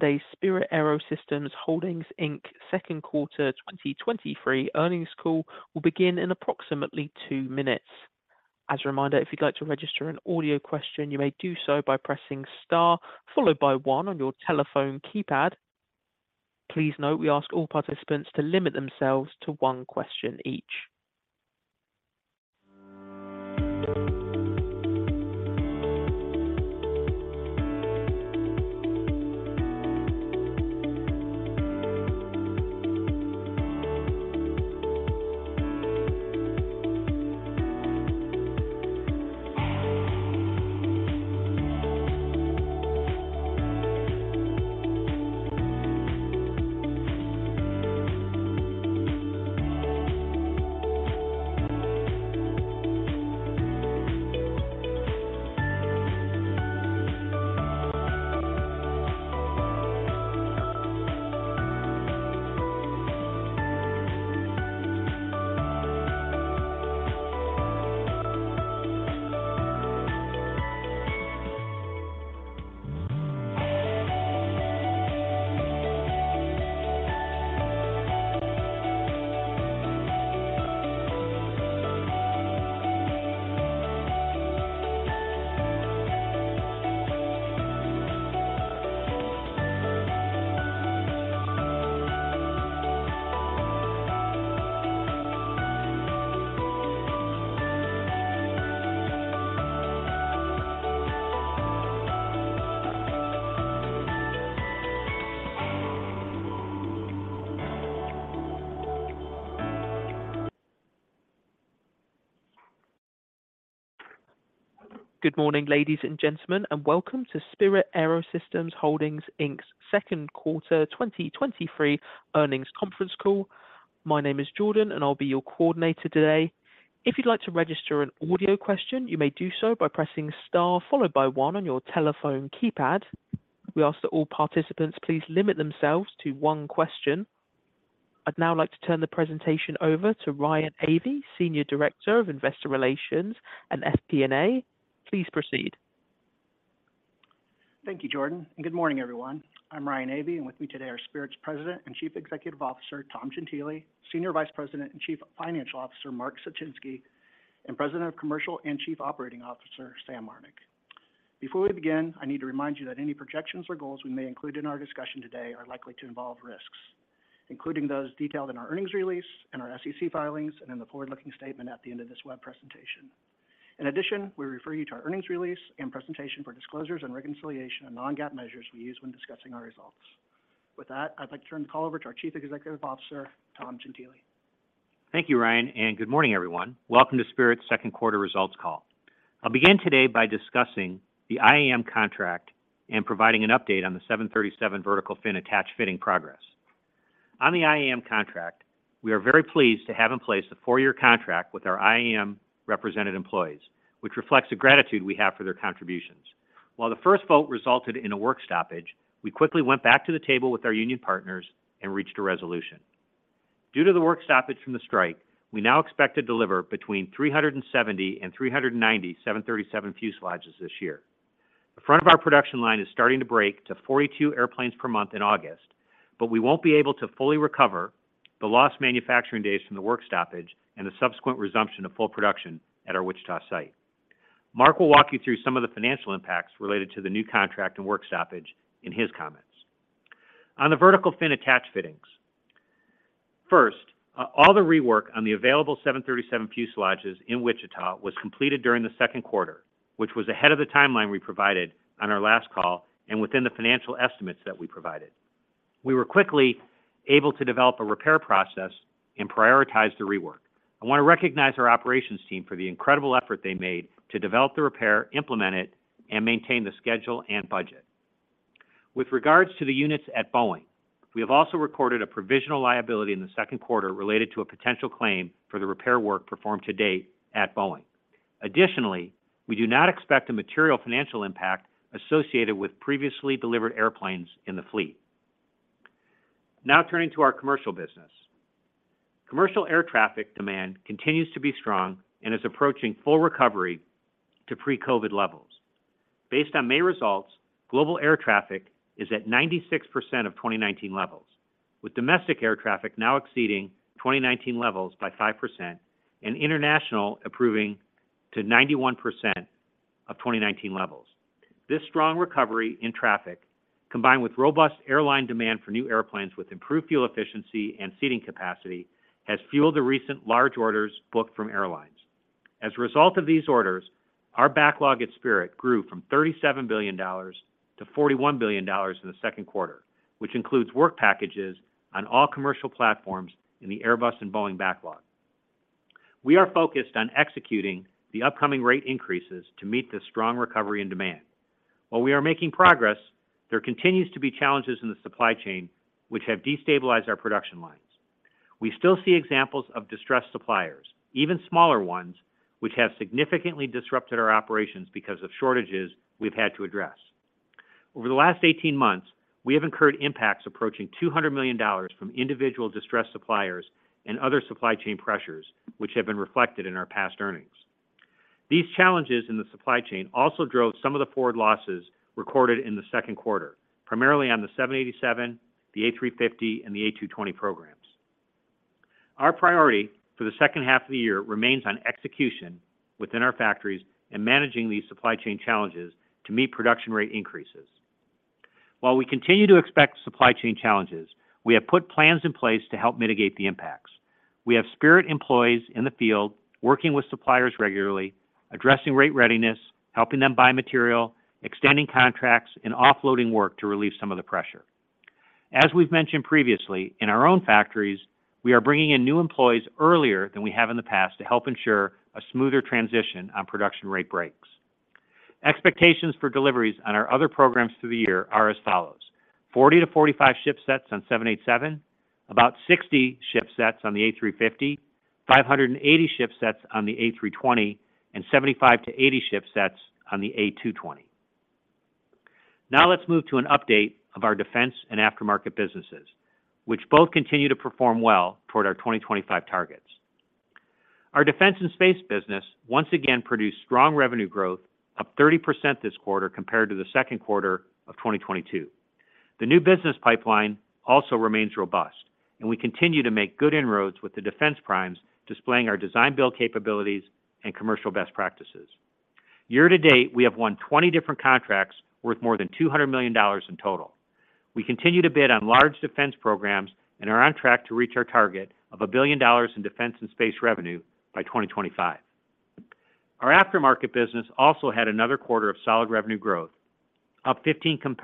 Today's Spirit AeroSystems Holdings, Inc., second quarter 2023 earnings call will begin in approximately two minutes. As a reminder, if you'd like to register an audio question, you may do so by pressing star followed by one on your telephone keypad. Please note we ask all participants to limit themselves to one question each. Good morning, ladies and gentlemen, and welcome to Spirit AeroSystems Holdings, Inc.'s second quarter 2023 earnings conference call. My name is Jordan, and I'll be your coordinator today. If you'd like to register an audio question, you may do so by pressing star followed by one on your telephone keypad. We ask that all participants please limit themselves to one question. I'd now like to turn the presentation over to Ryan Avey, Senior Director of Investor Relations and FP&A. Please proceed. Thank you, Jordan. Good morning, everyone. I'm Ryan Avey. With me today are Spirit's President and Chief Executive Officer, Tom Gentile, Senior Vice President and Chief Financial Officer, Mark Suchinski, and President of Commercial and Chief Operating Officer, Sam Marnick. Before we begin, I need to remind you that any projections or goals we may include in our discussion today are likely to involve risks, including those detailed in our earnings release, our SEC filings, and in the forward-looking statement at the end of this web presentation. In addition, we refer you to our earnings release and presentation for disclosures and reconciliation of non-GAAP measures we use when discussing our results. With that, I'd like to turn the call over to our Chief Executive Officer, Tom Gentile. Thank you, Ryan. Good morning, everyone. Welcome to Spirit's second quarter results call. I'll begin today by discussing the IAM contract and providing an update on the 737 vertical fin attach fitting progress. On the IAM contract, we are very pleased to have in place a four-year contract with our IAM-represented employees, which reflects the gratitude we have for their contributions. While the first vote resulted in a work stoppage, we quickly went back to the table with our union partners and reached a resolution. Due to the work stoppage from the strike, we now expect to deliver between 370 and 390 737 fuselages this year. The front of our production line is starting to break to 42 airplanes per month in August. We won't be able to fully recover the lost manufacturing days from the work stoppage and the subsequent resumption of full production at our Wichita site. Mark will walk you through some of the financial impacts related to the new contract and work stoppage in his comments. On the vertical fin attach fittings, first, all the rework on the available 737 fuselages in Wichita was completed during the second quarter, which was ahead of the timeline we provided on our last call and within the financial estimates that we provided. We were quickly able to develop a repair process and prioritize the rework. I want to recognize our operations team for the incredible effort they made to develop the repair, implement it, and maintain the schedule and budget. With regards to the units at Boeing, we have also recorded a provisional liability in the second quarter related to a potential claim for the repair work performed to date at Boeing. Additionally, we do not expect a material financial impact associated with previously delivered airplanes in the fleet. Turning to our commercial business. Commercial air traffic demand continues to be strong and is approaching full recovery to pre-COVID levels. Based on May results, global air traffic is at 96% of 2019 levels, with domestic air traffic now exceeding 2019 levels by 5% and international approving to 91% of 2019 levels. This strong recovery in traffic, combined with robust airline demand for new airplanes with improved fuel efficiency and seating capacity, has fueled the recent large orders booked from airlines. As a result of these orders, our backlog at Spirit grew from $37 billion-$41 billion in the second quarter, which includes work packages on all commercial platforms in the Airbus and Boeing backlog. We are focused on executing the upcoming rate increases to meet the strong recovery and demand. While we are making progress, there continues to be challenges in the supply chain, which have destabilized our production lines. We still see examples of distressed suppliers, even smaller ones, which have significantly disrupted our operations because of shortages we've had to address. Over the last 18 months, we have incurred impacts approaching $200 million from individual distressed suppliers and other supply chain pressures, which have been reflected in our past earnings.... These challenges in the supply chain also drove some of the forward losses recorded in the second quarter, primarily on the Boeing 787, the Airbus A350, and the Airbus A220 programs. Our priority for the second half of the year remains on execution within our factories and managing these supply chain challenges to meet production rate increases. While we continue to expect supply chain challenges, we have put plans in place to help mitigate the impacts. We have Spirit employees in the field working with suppliers regularly, addressing rate readiness, helping them buy material, extending contracts, and offloading work to relieve some of the pressure. As we've mentioned previously, in our own factories, we are bringing in new employees earlier than we have in the past to help ensure a smoother transition on production rate breaks. Expectations for deliveries on our other programs through the year are as follows: 40-45 ship sets on 787, about 60 ship sets on the A350, 580 ship sets on the A320, and 75-80 ship sets on the A220. Let's move to an update of our defense and aftermarket businesses, which both continue to perform well toward our 2025 targets. Our defense and space business once again produced strong revenue growth, up 30% this quarter compared to the second quarter of 2022. The new business pipeline also remains robust, and we continue to make good inroads with the defense primes, displaying our design build capabilities and commercial best practices. Year to date, we have won 20 different contracts worth more than $200 million in total. We continue to bid on large defense programs and are on track to reach our target of $1 billion in defense and space revenue by 2025. Our aftermarket business also had another quarter of solid revenue growth, up 15%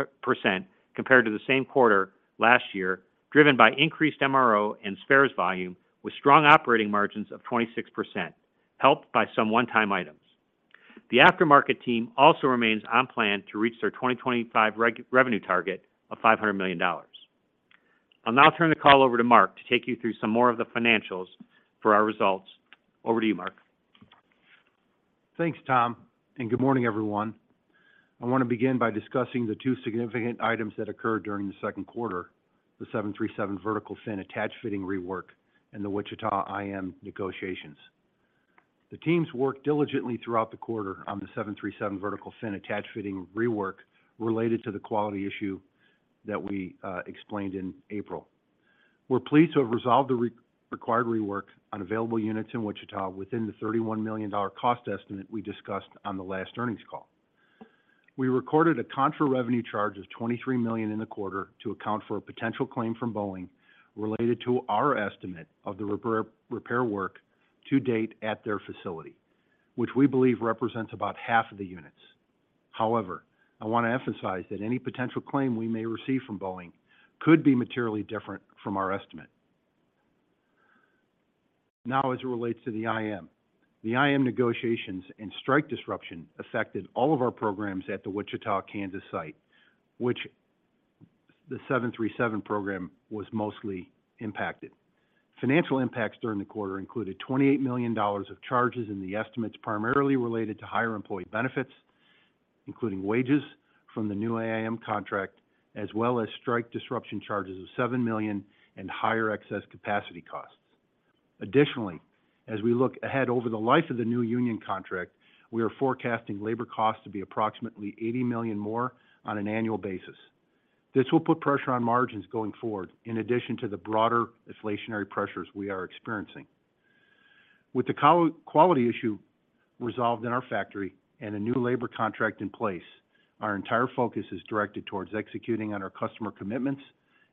compared to the same quarter last year, driven by increased MRO and spares volume, with strong operating margins of 26%, helped by some one-time items. The aftermarket team also remains on plan to reach their 2025 revenue target of $500 million. I'll now turn the call over to Mark to take you through some more of the financials for our results. Over to you, Mark. Thanks, Tom, and good morning, everyone. I want to begin by discussing the two significant items that occurred during the second quarter: the 737 vertical fin attach fitting rework and the Wichita IAM negotiations. The teams worked diligently throughout the quarter on the 737 vertical fin attach fitting rework related to the quality issue that we explained in April. We're pleased to have resolved the required rework on available units in Wichita within the $31 million cost estimate we discussed on the last earnings call. We recorded a contra revenue charge of $23 million in the quarter to account for a potential claim from Boeing related to our estimate of the repair work to date at their facility, which we believe represents about half of the units. However, I want to emphasize that any potential claim we may receive from Boeing could be materially different from our estimate. As it relates to the IAM. The IAM negotiations and strike disruption affected all of our programs at the Wichita, Kansas site, which the 737 program was mostly impacted. Financial impacts during the quarter included $28 million of charges in the estimates, primarily related to higher employee benefits, including wages from the new IAM contract, as well as strike disruption charges of $7 million and higher excess capacity costs. As we look ahead over the life of the new union contract, we are forecasting labor costs to be approximately $80 million more on an annual basis. This will put pressure on margins going forward, in addition to the broader inflationary pressures we are experiencing. With the quality issue resolved in our factory and a new labor contract in place, our entire focus is directed towards executing on our customer commitments,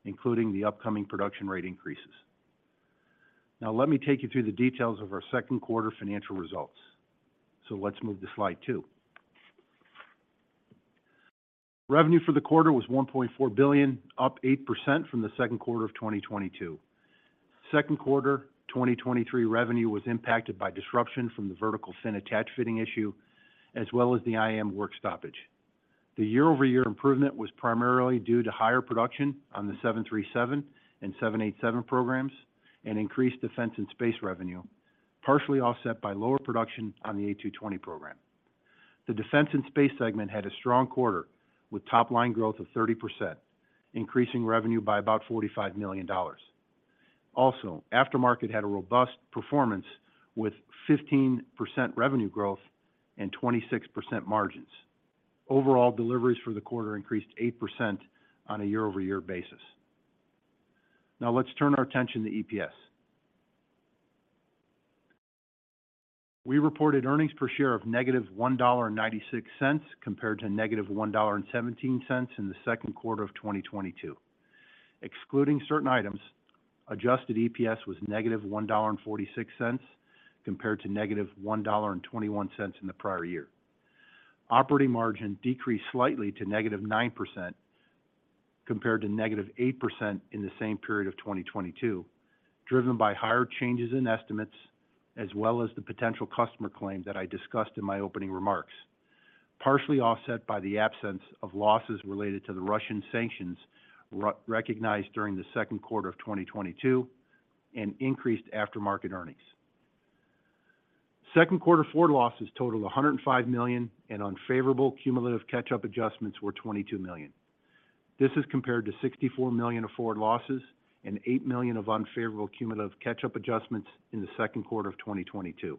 including the upcoming production rate increases. Let me take you through the details of our second quarter financial results. Let's move to slide two. Revenue for the quarter was $1.4 billion, up 8% from the second quarter of 2022. Second quarter 2023 revenue was impacted by disruption from the vertical fin attach fitting issue, as well as the IAM work stoppage. The year-over-year improvement was primarily due to higher production on the 737 and 787 programs and increased defense and space revenue, partially offset by lower production on the Airbus A220 program. The defense and space segment had a strong quarter, with top-line growth of 30%, increasing revenue by about $45 million. Also, aftermarket had a robust performance with 15% revenue growth and 26% margins. Overall, deliveries for the quarter increased 8% on a year-over-year basis. Let's turn our attention to EPS. We reported earnings per share of negative $1.96, compared to negative $1.17 in the 2Q 2022. Excluding certain items, adjusted EPS was negative $1.46, compared to negative $1.21 in the prior year. Operating margin decreased slightly to negative 9%, compared to negative 8% in the same period of 2022, driven by higher changes in estimates, as well as the potential customer claim that I discussed in my opening remarks, partially offset by the absence of losses related to the Russian sanctions re-recognized during the 2Q 2022 and increased aftermarket earnings. Second quarter forward losses totaled $105 million. Unfavorable cumulative catch-up adjustments were $22 million. This is compared to $64 million of forward losses and $8 million of unfavorable cumulative catch-up adjustments in the second quarter of 2022.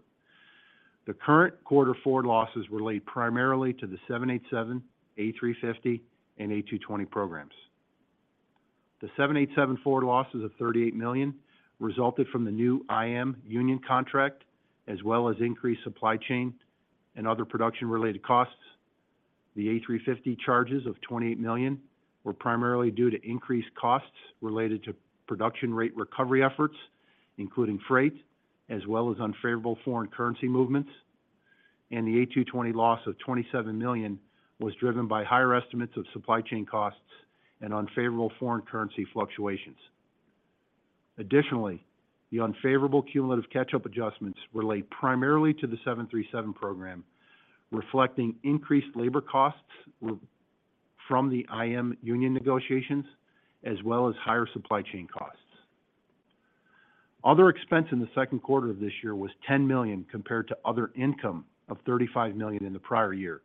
The current quarter forward losses relate primarily to the 787, A350, and A220 programs. The 787 forward losses of $38 million resulted from the new IAM union contract, as well as increased supply chain and other production-related costs. The A350 charges of $28 million were primarily due to increased costs related to production rate recovery efforts, including freight, as well as unfavorable foreign currency movements. The A220 loss of $27 million was driven by higher estimates of supply chain costs and unfavorable foreign currency fluctuations. The unfavorable cumulative catch-up adjustments relate primarily to the 737 program, reflecting increased labor costs from the IAM union negotiations, as well as higher supply chain costs. Other expense in the second quarter of this year was $10 million, compared to other income of $35 million in the prior year.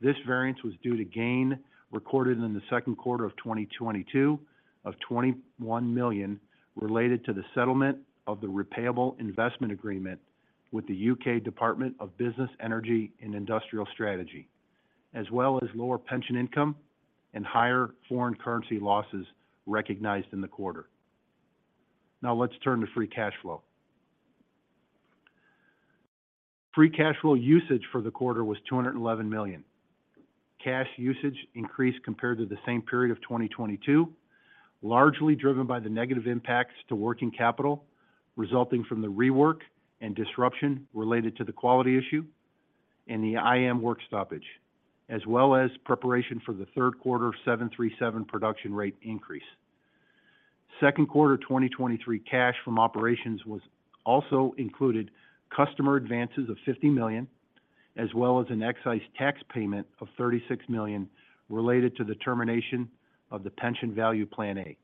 This variance was due to gain recorded in the second quarter of 2022 of $21 million, related to the settlement of the repayable investment agreement with the U.K. Department for Business, Energy and Industrial Strategy, as well as lower pension income and higher foreign currency losses recognized in the quarter. Let's turn to free cash flow. Free cash flow usage for the quarter was $211 million. Cash usage increased compared to the same period of 2022, largely driven by the negative impacts to working capital, resulting from the rework and disruption related to the quality issue and the IAM work stoppage, as well as preparation for the third quarter 737 production rate increase. Second quarter 2023 cash from operations also included customer advances of $50 million, as well as an excise tax payment of $36 million related to the termination of the Pension Value Plan A.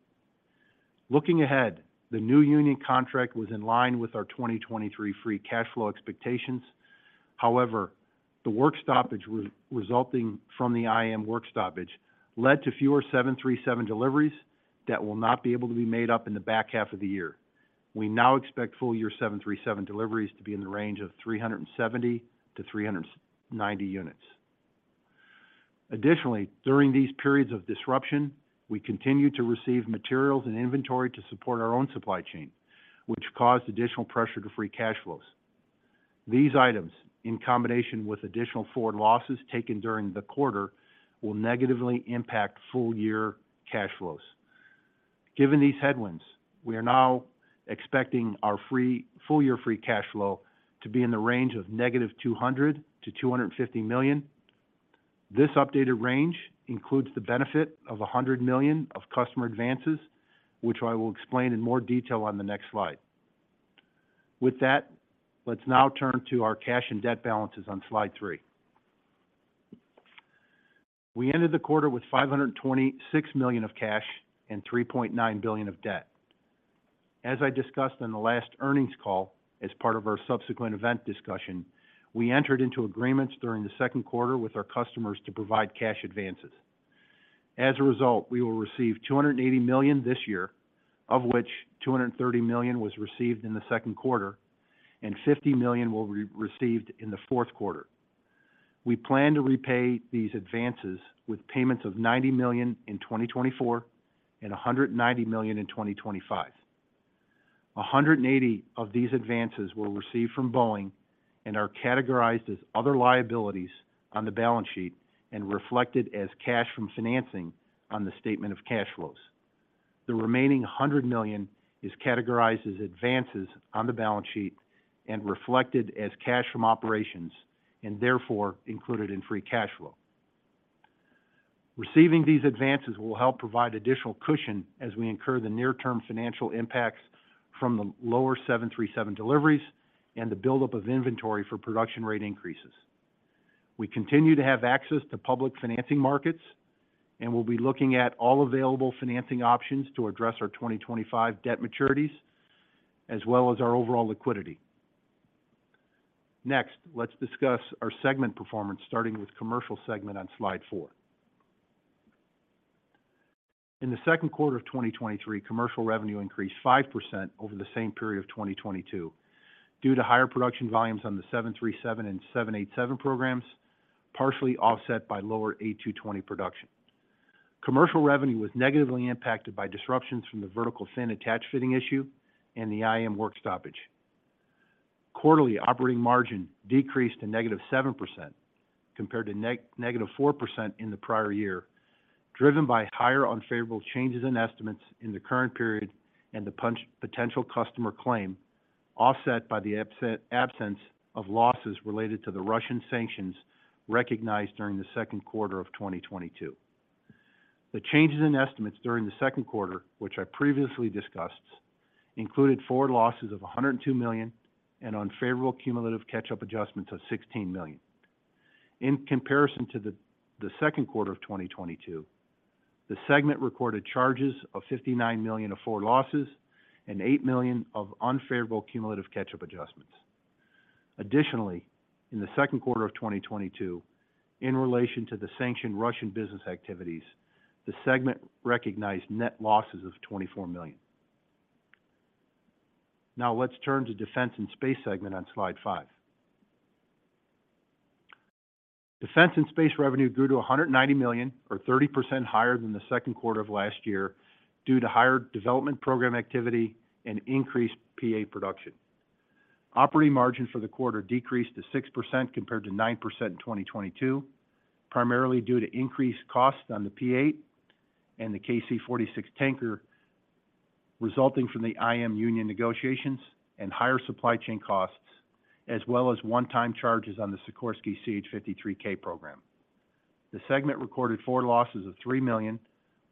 Looking ahead, the new union contract was in line with our 2023 free cash flow expectations. However, the work stoppage resulting from the IAM work stoppage led to fewer 737 deliveries that will not be able to be made up in the back half of the year. We now expect full year 737 deliveries to be in the range of 370-390 units. Additionally, during these periods of disruption, we continued to receive materials and inventory to support our own supply chain, which caused additional pressure to free cash flows. These items, in combination with additional forward losses taken during the quarter, will negatively impact full year cash flows. Given these headwinds, we are now expecting our full year free cash flow to be in the range of -$200 million-$250 million. This updated range includes the benefit of $100 million of customer advances, which I will explain in more detail on the next slide. Let's now turn to our cash and debt balances on slide three. We ended the quarter with $526 million of cash and $3.9 billion of debt. As I discussed in the last earnings call, as part of our subsequent event discussion, we entered into agreements during the second quarter with our customers to provide cash advances. As a result, we will receive $280 million this year, of which $230 million was received in the second quarter, and $50 million will received in the fourth quarter. We plan to repay these advances with payments of $90 million in 2024 and $190 million in 2025. $180 of these advances were received from Boeing and are categorized as other liabilities on the balance sheet and reflected as cash from financing on the statement of cash flows. The remaining $100 million is categorized as advances on the balance sheet and reflected as cash from operations, and therefore, included in free cash flow. Receiving these advances will help provide additional cushion as we incur the near-term financial impacts from the lower 737 deliveries and the buildup of inventory for production rate increases. We continue to have access to public financing markets, and we'll be looking at all available financing options to address our 2025 debt maturities, as well as our overall liquidity. Next, let's discuss our segment performance, starting with commercial segment on slide four. In 2Q 2023, commercial revenue increased 5% over the same period of 2022 due to higher production volumes on the 737 and 787 programs, partially offset by lower A220 production. Commercial revenue was negatively impacted by disruptions from the vertical fin attach fitting issue and the IAM work stoppage. Quarterly operating margin decreased to -7%, compared to -4% in the prior year, driven by higher unfavorable changes in estimates in the current period and the potential customer claim, offset by the absence of losses related to the Russian sanctions recognized during the second quarter of 2022. The changes in estimates during the second quarter, which I previously discussed, included forward losses of $102 million and unfavorable cumulative catch-up adjustments of $16 million. In comparison to the second quarter of 2022, the segment recorded charges of $59 million of forward losses and $8 million of unfavorable cumulative catch-up adjustments. Additionally, in the second quarter of 2022, in relation to the sanctioned Russian business activities, the segment recognized net losses of $24 million. Now let's turn to Defense and Space segment on slide five. Defense and Space revenue grew to $190 million, or 30% higher than the second quarter of last year, due to higher development program activity and increased P-8 production. Operating margin for the quarter decreased to 6% compared to 9% in 2022, primarily due to increased costs on the P-8 and the KC-46 tanker, resulting from the IAM union negotiations and higher supply chain costs, as well as one-time charges on the Sikorsky CH-53K program. The segment recorded forward losses of $3 million,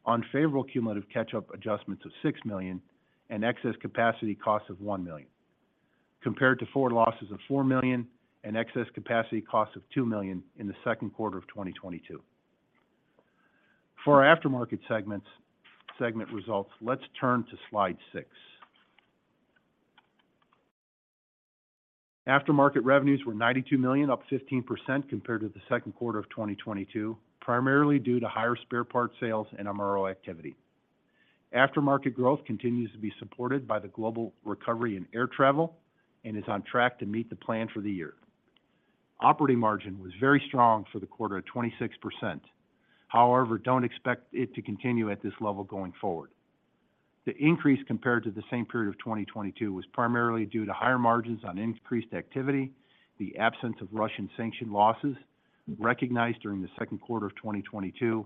unfavorable cumulative catch-up adjustments of $6 million, and excess capacity costs of $1 million, compared to forward losses of $4 million and excess capacity costs of $2 million in the second quarter of 2022. For our aftermarket segment results, let's turn to slide six. Aftermarket revenues were $92 million, up 15% compared to the second quarter of 2022, primarily due to higher spare parts sales and MRO activity. Aftermarket growth continues to be supported by the global recovery in air travel and is on track to meet the plan for the year. Operating margin was very strong for the quarter at 26%. Don't expect it to continue at this level going forward. The increase compared to the same period of 2022 was primarily due to higher margins on increased activity, the absence of Russian Sanction losses recognized during the second quarter of 2022,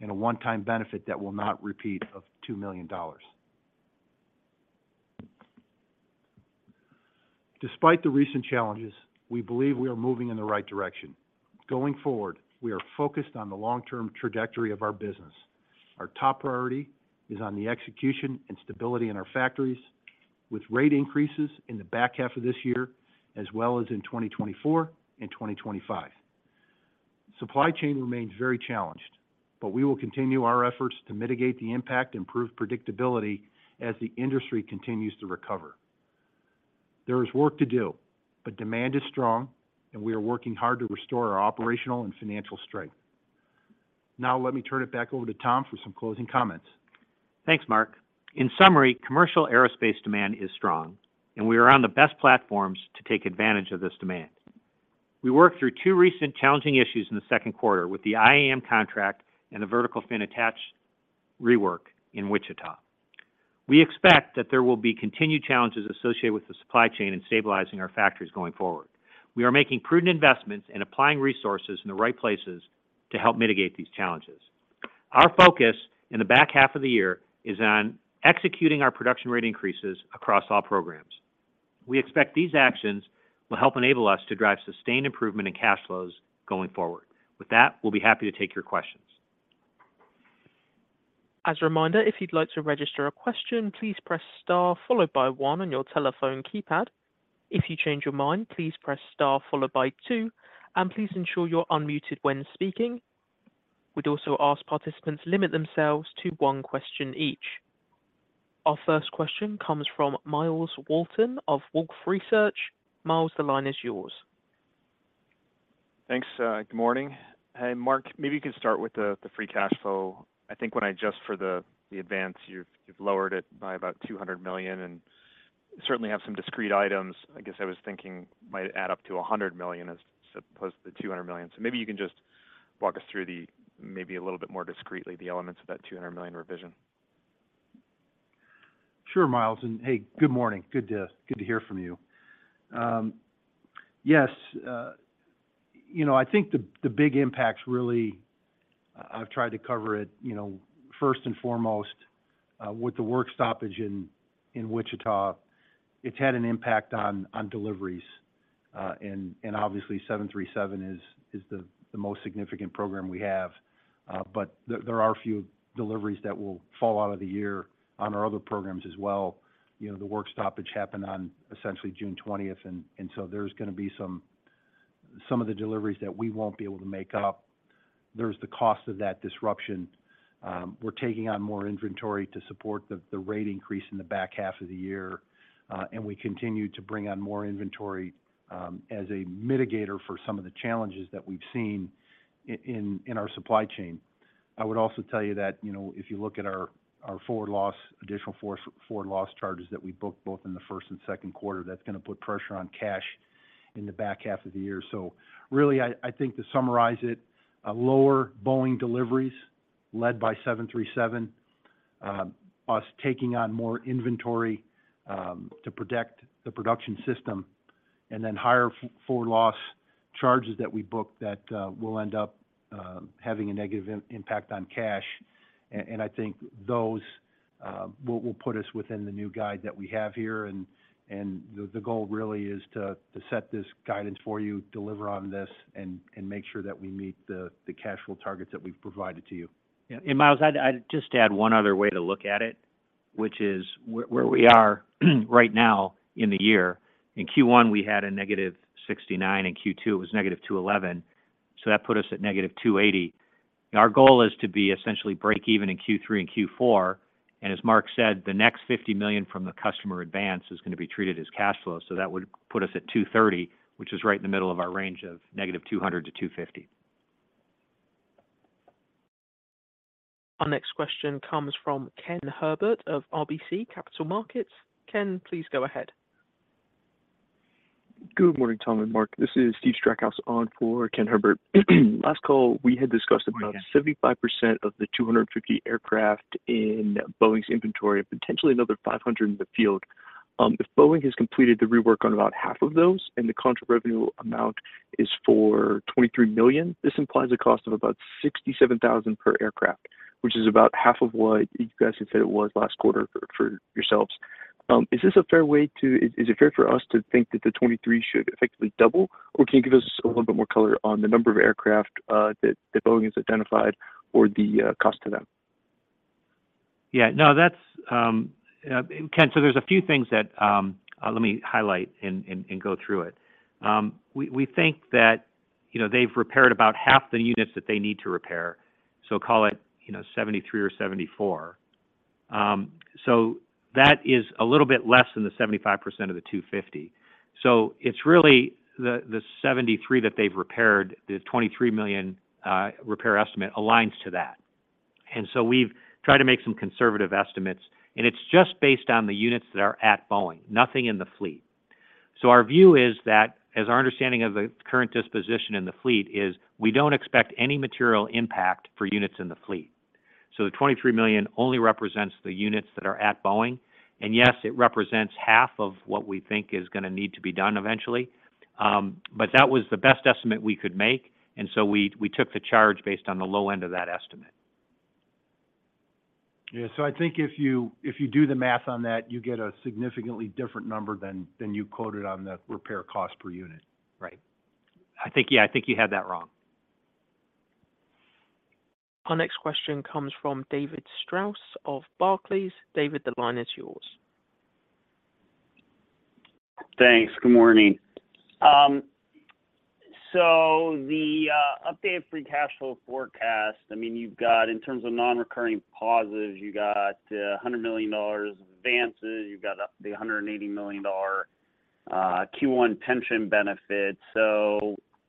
and a one-time benefit that will not repeat of $2 million. Despite the recent challenges, we believe we are moving in the right direction. Going forward, we are focused on the long-term trajectory of our business. Our top priority is on the execution and stability in our factories, with rate increases in the back half of this year, as well as in 2024 and 2025. Supply chain remains very challenged, but we will continue our efforts to mitigate the impact and improve predictability as the industry continues to recover. There is work to do, but demand is strong, and we are working hard to restore our operational and financial strength. Now, let me turn it back over to Tom for some closing comments. Thanks, Mark. In summary, commercial aerospace demand is strong, and we are on the best platforms to take advantage of this demand. We worked through two recent challenging issues in the second quarter with the IAM contract and the vertical fin attach rework in Wichita. We expect that there will be continued challenges associated with the supply chain and stabilizing our factories going forward. We are making prudent investments and applying resources in the right places to help mitigate these challenges. Our focus in the back half of the year is on executing our production rate increases across all programs. We expect these actions will help enable us to drive sustained improvement in cash flows going forward. With that, we'll be happy to take your questions. As a reminder, if you'd like to register a question, please press star followed by one on your telephone keypad. If you change your mind, please press star followed by two, and please ensure you're unmuted when speaking. We'd also ask participants to limit themselves to one question each. Our first question comes from Myles Walton of Wolfe Research. Myles, the line is yours. Thanks, good morning. Hey, Mark, maybe you can start with the, the free cash flow. I think when I adjust for the, the advance, you've, you've lowered it by about $200 million and certainly have some discrete items. I guess I was thinking might add up to $100 million as opposed to the $200 million. Maybe you can just walk us through the, maybe a little bit more discretely, the elements of that $200 million revision. Sure, Myles, and hey, good morning. Good to, good to hear from you. Yes, you know, I think the big impacts, really, I've tried to cover it, you know, first and foremost, with the work stoppage in Wichita, it's had an impact on deliveries. Obviously, 737 is, is the, the most significant program we have. There, there are a few deliveries that will fall out of the year on our other programs as well. You know, the work stoppage happened on essentially June 20th, and so there's going to be some of the deliveries that we won't be able to make up. There's the cost of that disruption. We're taking on more inventory to support the, the rate increase in the back half of the year, and we continue to bring on more inventory as a mitigator for some of the challenges that we've seen in, in our supply chain. I would also tell you that, you know, if you look at our, our forward loss, additional forward forward loss charges that we booked both in the first and second quarter, that's going to put pressure on cash in the back half of the year. Really, I, I think to summarize it, a lower Boeing deliveries led by 737, us taking on more inventory to protect the production system, and then higher forward loss charges that we booked that will end up having a negative impact on cash. I think those will, will put us within the new guide that we have here, and, and the, the goal really is to, to set this guidance for you, deliver on this, and, and make sure that we meet the, the cash flow targets that we've provided to you. Yeah, Myles, I'd, I'd just add one other way to look at it, which is where, where we are right now in the year. In Q1, we had a negative $69 million, in Q2, it was negative $211 million, that put us at negative $280 million. Our goal is to be essentially break even in Q3 and Q4, as Mark said, the next $50 million from the customer advance is going to be treated as cash flow. That would put us at $230 million, which is right in the middle of our range of negative $200 million-$250 million. Our next question comes from Ken Herbert of RBC Capital Markets. Ken, please go ahead. Good morning, Tom and Mark. This is Steve Tusa on for Ken Herbert. Last call, we had discussed about 75% of the 250 aircraft in Boeing's inventory, and potentially another 500 in the field. If Boeing has completed the rework on about half of those, and the contract revenue amount is for $23 million, this implies a cost of about $67,000 per aircraft, which is about half of what you guys had said it was last quarter for, for yourselves. Is it fair for us to think that the $23 million should effectively double, or can you give us a little bit more color on the number of aircraft that Boeing has identified or the cost to them? Yeah. No, that's Ken, so there's a few things that let me highlight and, and, and go through it. We, we think that, you know, they've repaired about half the units that they need to repair, so call it, you know, 73 or 74. That is a little bit less than the 75% of the 250. It's really the, the 73 that they've repaired, the $23 million repair estimate aligns to that. We've tried to make some conservative estimates, and it's just based on the units that are at Boeing, nothing in the fleet. Our view is that, as our understanding of the current disposition in the fleet is, we don't expect any material impact for units in the fleet. The $23 million only represents the units that are at Boeing, and yes, it represents half of what we think is going to need to be done eventually. That was the best estimate we could make, and so we, we took the charge based on the low end of that estimate. Yeah, I think if you, if you do the math on that, you get a significantly different number than, than you quoted on the repair cost per unit. Right. I think, yeah, I think you have that wrong. Our next question comes from David Strauss of Barclays. David, the line is yours. Thanks. Good morning. The updated free cash flow forecast, I mean, you've got, in terms of non-recurring pauses, you got $100 million advances, you've got up to the $180 million Q1 pension benefit.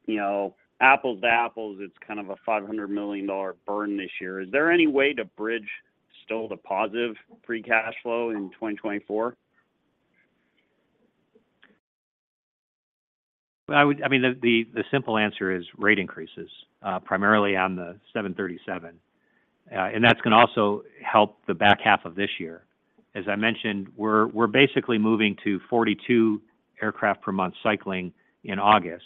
You know, apples to apples, it's kind of a $500 million burn this year. Is there any way to bridge still to positive free cash flow in 2024? Well, I mean, the simple answer is rate increases, primarily on the 737. That's going to also help the back half of this year. As I mentioned, we're basically moving to 42 aircraft per month cycling in August,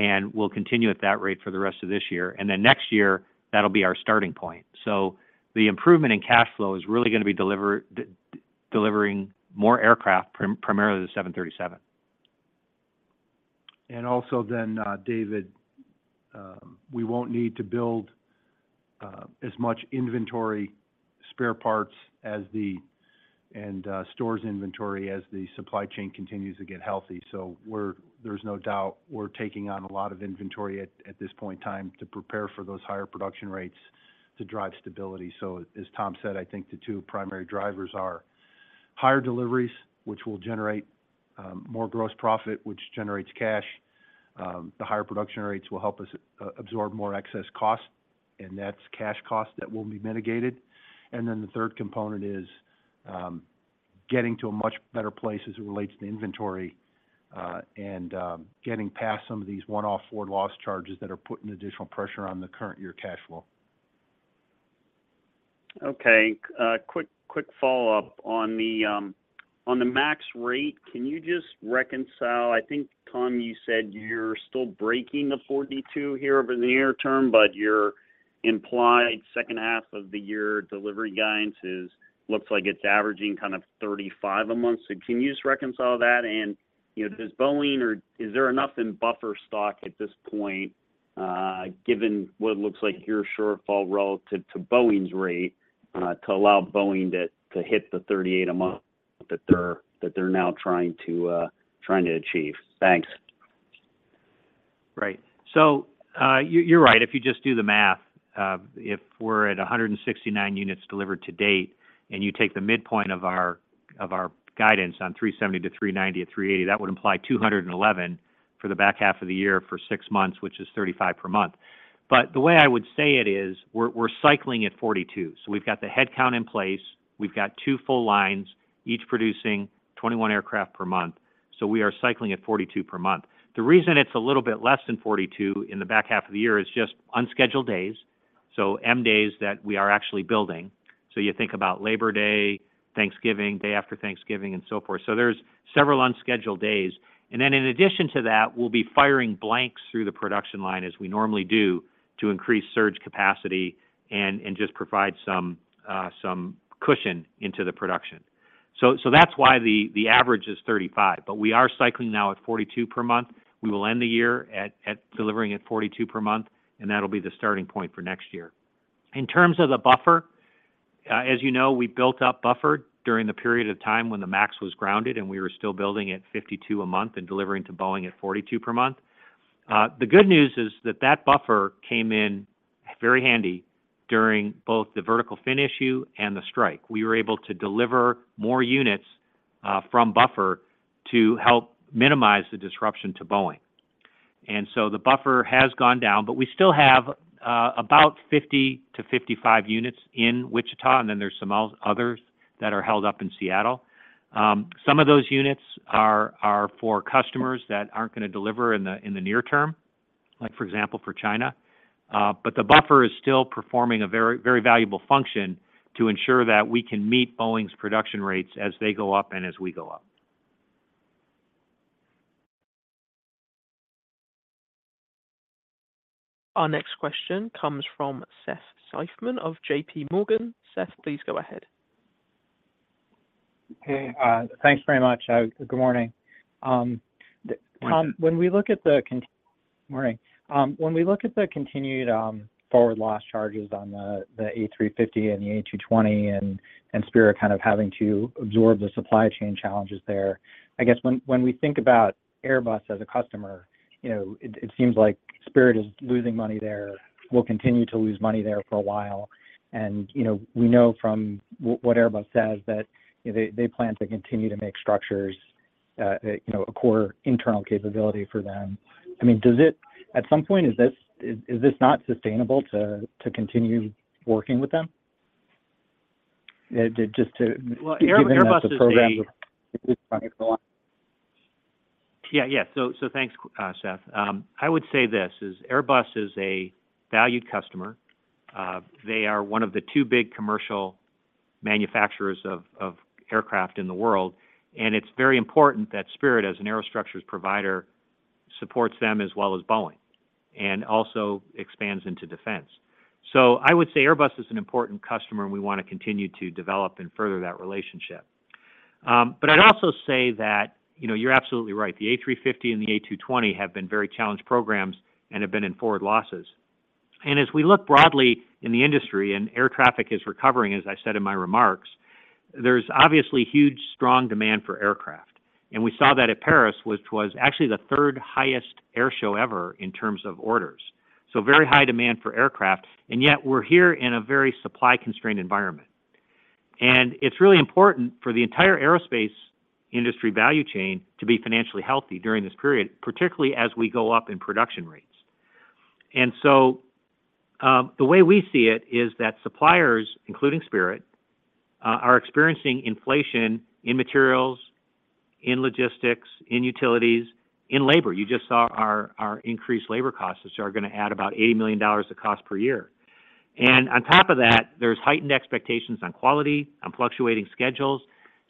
and we'll continue at that rate for the rest of this year. Next year, that'll be our starting point. So the improvement in cash flow is really going to be delivering more aircraft, primarily the 737. Also then, David, we won't need to build as much inventory, spare parts as the... and stores inventory as the supply chain continues to get healthy. There's no doubt we're taking on a lot of inventory at, at this point in time to prepare for those higher production rates to drive stability. As Tom said, I think the two primary drivers are higher deliveries, which will generate more gross profit, which generates cash. The higher production rates will help us absorb more excess cost, and that's cash cost that will be mitigated. Then the third component is getting to a much better place as it relates to inventory, and getting past some of these one-off forward loss charges that are putting additional pressure on the current year cash flow. Okay, quick, quick follow-up. On the MAX rate, can you just reconcile. I think, Tom, you said you're still breaking the 42 here over the near term, but your implied second half of the year delivery guidance is, looks like it's averaging kind of 35 a month. Can you just reconcile that? You know, does Boeing or is there enough in buffer stock at this point, given what it looks like your shortfall relative to Boeing's rate, to allow Boeing to, to hit the 38 a month that they're, that they're now trying to achieve? Thanks. Right. You, you're right. If you just do the math, if we're at 169 units delivered to date, and you take the midpoint of our, of our guidance on 370 to 390 to 380, that would imply 211 for the back half of the year for 6 months, which is 35 per month. The way I would say it is, we're, we're cycling at 42. We've got the headcount in place. We've got two full lines, each producing 21 aircraft per month, so we are cycling at 42 per month. The reason it's a little bit less than 42 in the back half of the year is just unscheduled days, so M-days that we are actually building. You think about Labor Day, Thanksgiving, day after Thanksgiving, and so forth. There's several unscheduled days. Then in addition to that, we'll be firing blanks through the production line, as we normally do, to increase surge capacity and, and just provide some cushion into the production. That's why the average is 35, but we are cycling now at 42 per month. We will end the year at, at delivering at 42 per month, and that'll be the starting point for next year. In terms of the buffer-... As you know, we built up buffer during the period of time when the Max was grounded, and we were still building at 52 a month and delivering to Boeing at 42 per month. The good news is that that buffer came in very handy during both the vertical fin issue and the strike. We were able to deliver more units from buffer to help minimize the disruption to Boeing. The buffer has gone down, but we still have about 50 to 55 units in Wichita, and then there's some others that are held up in Seattle. Some of those units are for customers that aren't gonna deliver in the near term, like, for example, for China. The buffer is still performing a very, very valuable function to ensure that we can meet Boeing's production rates as they go up and as we go up. Our next question comes from Seth Seifman of JP Morgan. Seth, please go ahead. Hey, thanks very much. Good morning. Tom, when we look at the continued forward loss charges on the A350 and the A220, and Spirit kind of having to absorb the supply chain challenges there, I guess when we think about Airbus as a customer, you know, it seems like Spirit is losing money there, will continue to lose money there for a while. You know, we know from what Airbus says that, you know, they plan to continue to make structures, you know, a core internal capability for them. I mean, at some point, is this not sustainable to continue working with them? Well, Airbus is. Given that the program Yeah, yeah. Thanks, Seth. I would say this, is Airbus is a valued customer. They are one of the two big commercial manufacturers of, of aircraft in the world, and it's very important that Spirit, as an aerostructures provider, supports them as well as Boeing, and also expands into defense. I would say Airbus is an important customer, and we want to continue to develop and further that relationship. I'd also say that, you know, you're absolutely right, the Airbus A350 and the Airbus A220 have been very challenged programs and have been in forward losses. As we look broadly in the industry, and air traffic is recovering, as I said in my remarks, there's obviously huge, strong demand for aircraft. We saw that at Paris, which was actually the third highest air show ever in terms of orders. Very high demand for aircraft, and yet we're here in a very supply-constrained environment. It's really important for the entire aerospace industry value chain to be financially healthy during this period, particularly as we go up in production rates. The way we see it is that suppliers, including Spirit, are experiencing inflation in materials, in logistics, in utilities, in labor. You just saw our, our increased labor costs, which are gonna add about $80 million of cost per year. On top of that, there's heightened expectations on quality, on fluctuating schedules.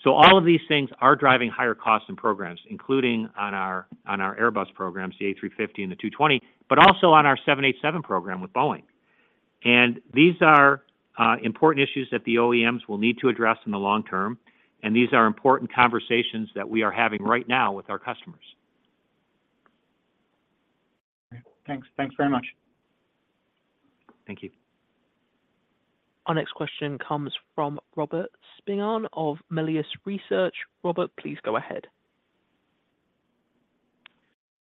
All of these things are driving higher costs and programs, including on our, on our Airbus programs, the A350 and the A220, but also on our 787 program with Boeing. These are important issues that the OEMs will need to address in the long term, and these are important conversations that we are having right now with our customers. Thanks. Thanks very much. Thank you. Our next question comes from Robert Spingarn of Melius Research. Robert, please go ahead.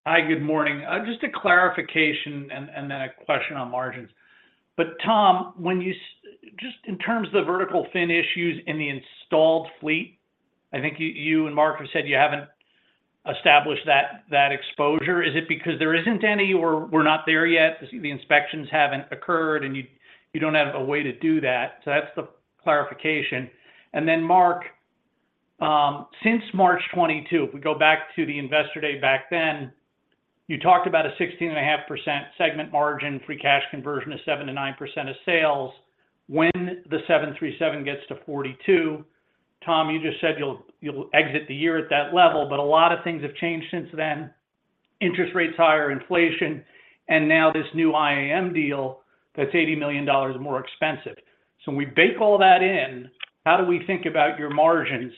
Hi, good morning. Just a clarification and, and then a question on margins. Tom, just in terms of the vertical fin issues in the installed fleet, I think you, you and Mark have said you haven't established that, that exposure. Is it because there isn't any, or we're not there yet, the inspections haven't occurred, and you, you don't have a way to do that? That's the clarification. Mark, since March 2022, if we go back to the Investor Day back then, you talked about a 16.5% segment margin, free cash conversion of 7%-9% of sales when the 737 gets to 42. Tom, you just said you'll, you'll exit the year at that level, but a lot of things have changed since then. Interest rates higher, inflation, and now this new IAM deal that's $80 million more expensive. When we bake all that in, how do we think about your margins,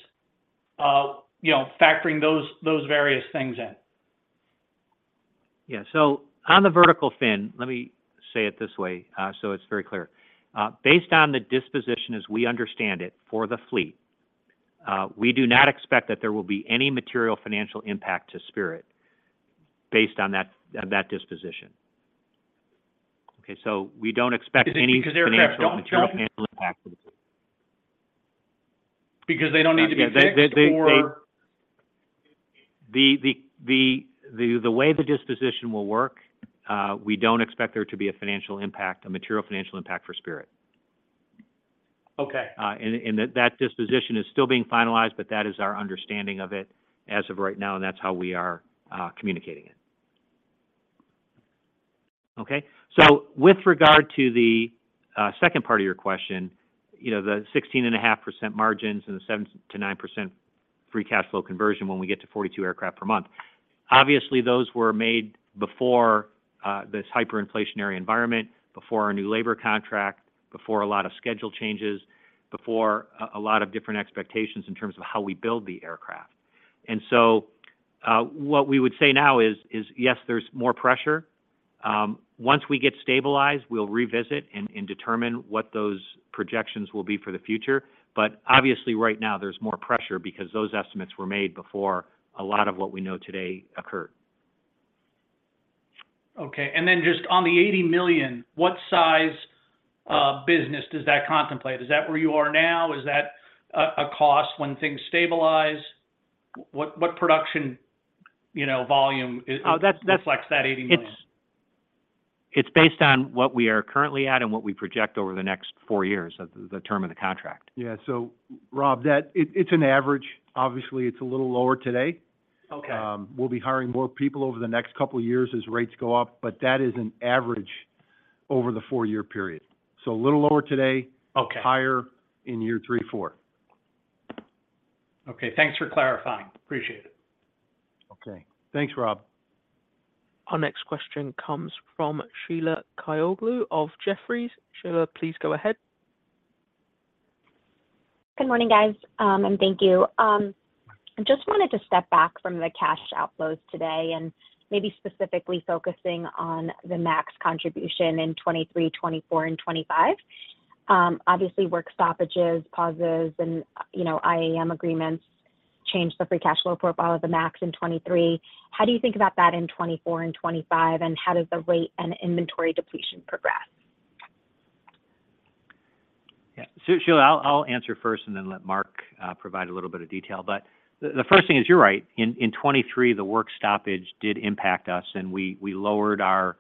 you know, factoring those, those various things in? Yeah. On the vertical fin, let me say it this way, so it's very clear. Based on the disposition, as we understand it, for the fleet, we do not expect that there will be any material financial impact to Spirit based on that, on that disposition. Okay, we don't expect any- Is it because they're- Financial impact. Because they don't need to be fixed, or? The, the, the, the, the way the disposition will work, we don't expect there to be a financial impact, a material financial impact for Spirit. Okay. That, that disposition is still being finalized, but that is our understanding of it as of right now, and that's how we are communicating it. Okay? With regard to the second part of your question, you know, the 16.5% margins and the 7%-9% free cash flow conversion when we get to 42 aircraft per month. Obviously, those were made before this hyperinflationary environment, before our new labor contract, before a lot of schedule changes, before a lot of different expectations in terms of how we build the aircraft. What we would say now is, yes, there's more pressure. Once we get stabilized, we'll revisit and determine what those projections will be for the future. Obviously, right now, there's more pressure because those estimates were made before a lot of what we know today occurred. Okay, then just on the $80 million, what size business does that contemplate? Is that where you are now? Is that a cost when things stabilize? What production, you know, volume is- Oh, that's... Reflects that $80 million? It's, it's based on what we are currently at and what we project over the next four years, at the, the term of the contract. Yeah. Rob, that-- it, it's an average. Obviously, it's a little lower today. Okay. We'll be hiring more people over the next couple of years as rates go up, but that is an average over the four-year period. A little lower today. Okay. Higher in year three, four. Okay, thanks for clarifying. Appreciate it. Okay. Thanks, Rob. Our next question comes from Sheila Kahyaoglu of Jefferies. Sheila, please go ahead. Good morning, guys, and thank you. I just wanted to step back from the cash outflows today, maybe specifically focusing on the MAX contribution in 2023, 2024, and 2025. Obviously, work stoppages, pauses, and, you know, IAM agreements changed the free cash flow profile of the MAX in 2023. How do you think about that in 2024 and 2025? How does the rate and inventory depletion progress? Yeah, Sheila, I'll, I'll answer first and then let Mark provide a little bit of detail. The, the first thing is, you're right. In, in 2023, the work stoppage did impact us, and we, we lowered our,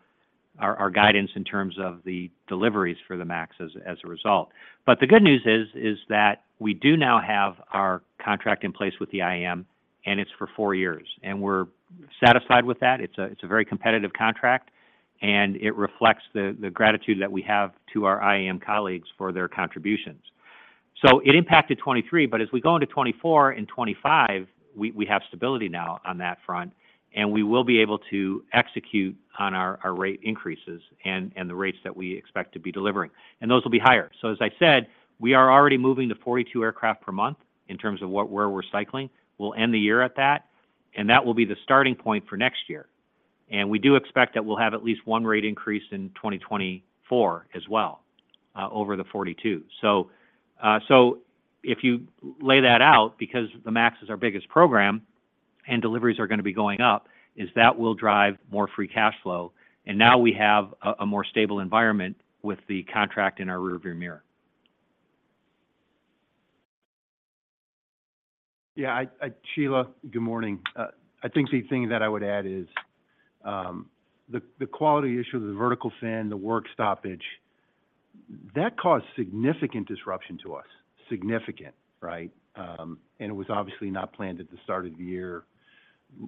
our, our guidance in terms of the deliveries for the MAX as, as a result. The good news is, is that we do now have our contract in place with the IAM, and it's for four years, and we're satisfied with that. It's a, it's a very competitive contract, and it reflects the, the gratitude that we have to our IAM colleagues for their contributions. It impacted 2023, but as we go into 2024 and 2025, we, we have stability now on that front, and we will be able to execute on our, our rate increases and, and the rates that we expect to be delivering. Those will be higher. As I said, we are already moving to 42 aircraft per month in terms of what, where we're cycling. We'll end the year at that, and that will be the starting point for next year. We do expect that we'll have at least one rate increase in 2024 as well, over the 42. If you lay that out, because the MAX is our biggest program and deliveries are going to be going up, is that will drive more free cash flow, and now we have a, a more stable environment with the contract in our rearview mirror. Yeah, Sheila, good morning. I think the thing that I would add is, the quality issue, the vertical fin, the work stoppage, that caused significant disruption to us. Significant, right? It was obviously not planned at the start of the year.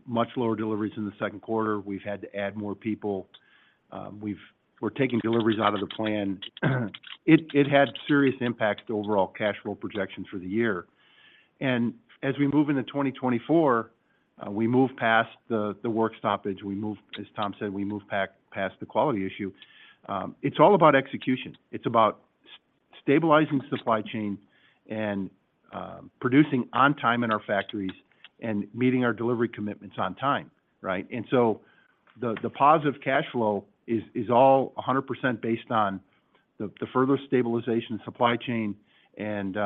Much lower deliveries in the second quarter. We've had to add more people. We're taking deliveries out of the plan. It, it had serious impacts to overall cash flow projections for the year. As we move into 2024, we move past the work stoppage. As Tom said, we move back past the quality issue. It's all about execution. It's about stabilizing supply chain and producing on time in our factories and meeting our delivery commitments on time, right? The, the positive cash flow is, is all 100% based on the, the further stabilization of supply chain and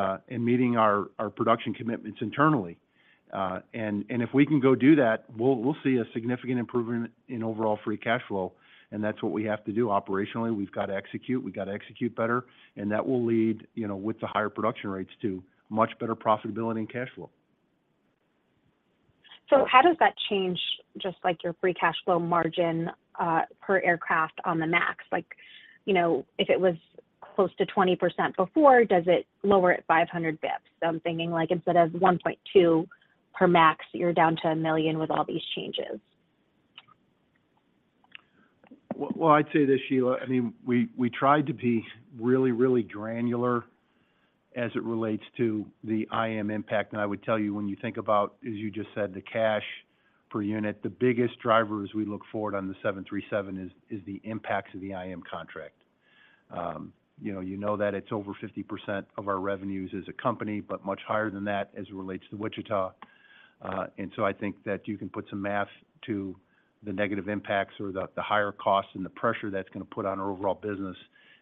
meeting our, our production commitments internally. If we can go do that, we'll, we'll see a significant improvement in overall free cash flow, and that's what we have to do operationally. We've got to execute, we've got to execute better, and that will lead, you know, with the higher production rates, to much better profitability and cash flow. How does that change, just like your free cash flow margin, per aircraft on the MAX? Like, you know, if it was close to 20% before, does it lower it 500 basis points? I'm thinking like instead of $1.2 million per MAX, you're down to $1 million with all these changes. Well, I'd say this, Sheila. I mean, we, we tried to be really, really granular as it relates to the IAM impact. I would tell you, when you think about, as you just said, the cash per unit, the biggest driver as we look forward on the 737 is, is the impacts of the IAM contract. You know, you know that it's over 50% of our revenues as a company, but much higher than that as it relates to Wichita. I think that you can put some math to the negative impacts or the, the higher costs and the pressure that's going to put on our overall business,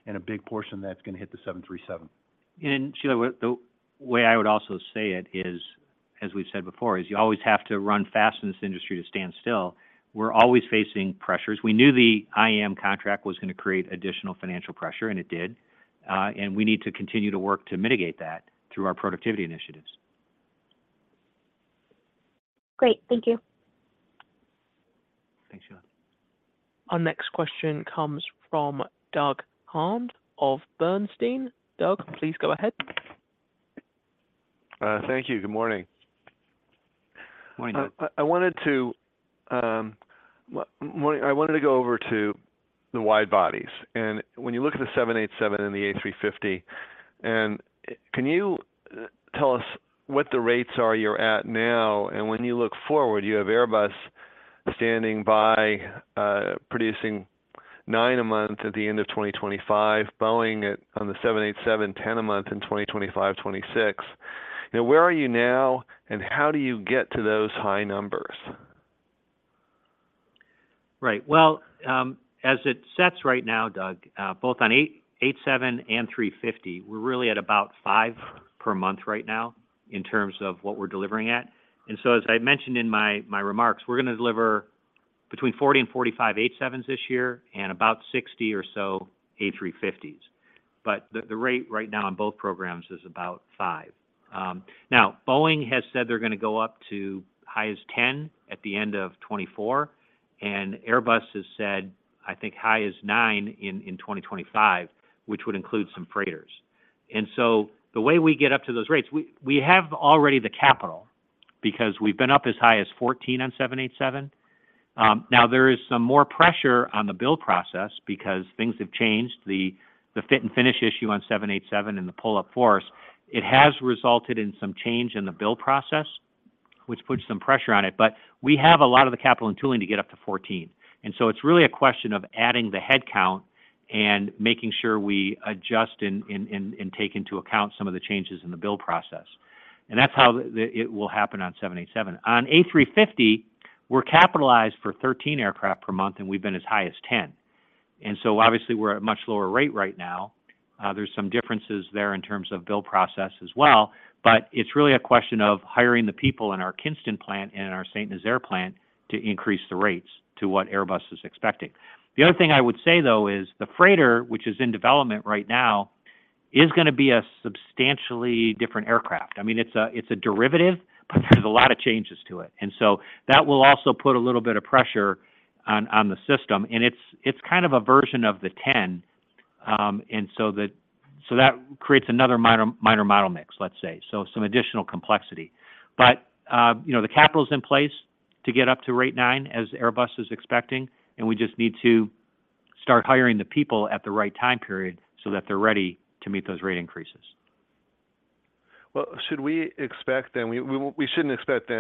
and a big portion that's going to hit the 737. Sheila, the way I would also say it is, as we've said before, is you always have to run fast in this industry to stand still. We're always facing pressures. We knew the IAM contract was going to create additional financial pressure, and it did. We need to continue to work to mitigate that through our productivity initiatives. Great. Thank you. Thanks, Sheila. Our next question comes from Douglas Harned of Bernstein. Doug, please go ahead. Thank you. Good morning. Morning, Doug. I, I wanted to, I wanted to go over to the wide bodies. When you look at the 787 and the A350, and, can you, tell us what the rates are you're at now? When you look forward, you have Airbus standing by, producing nine a month at the end of 2025, Boeing at, on the 787, 10 a month in 2025, 2026.... Where are you now, and how do you you get to those high numbers? Right. Well, as it sets right now, Doug, both on 787 and A350, we're really at about 5 per month right now in terms of what we're delivering at. As I mentioned in my, my remarks, we're going to deliver between 40-45 787s this year and about 60 or so A350s. The, the rate right now on both programs is about five. Now, Boeing has said they're going to go up to high as 10 at the end of 2024, and Airbus has said, I think, high as nine in 2025, which would include some freighters. The way we get up to those rates, we, we have already the capital, because we've been up as high as 14 on 787. Now, there is some more pressure on the build process because things have changed. The fit and finish issue on 787 and the pull force, it has resulted in some change in the build process, which puts some pressure on it. We have a lot of the capital and tooling to get up to 14. So it's really a question of adding the headcount and making sure we adjust and, and, and take into account some of the changes in the build process. That's how it will happen on 787. On A350, we're capitalized for 13 aircraft per month, and we've been as high as 10. So obviously, we're at a much lower rate right now. There's some differences there in terms of build process as well, but it's really a question of hiring the people in our Kinston plant and in our Saint Nazaire plant to increase the rates to what Airbus is expecting. The other thing I would say, though, is the freighter, which is in development right now, is going to be a substantially different aircraft. I mean, it's a, it's a derivative, but there's a lot of changes to it. So that will also put a little bit of pressure on, on the system, and it's, it's kind of a version of the 10. So that creates another minor, minor model mix, let's say, so some additional complexity. You know, the capital is in place to get up to rate nine, as Airbus is expecting, and we just need to start hiring the people at the right time period so that they're ready to meet those rate increases. Shouldn't expect then,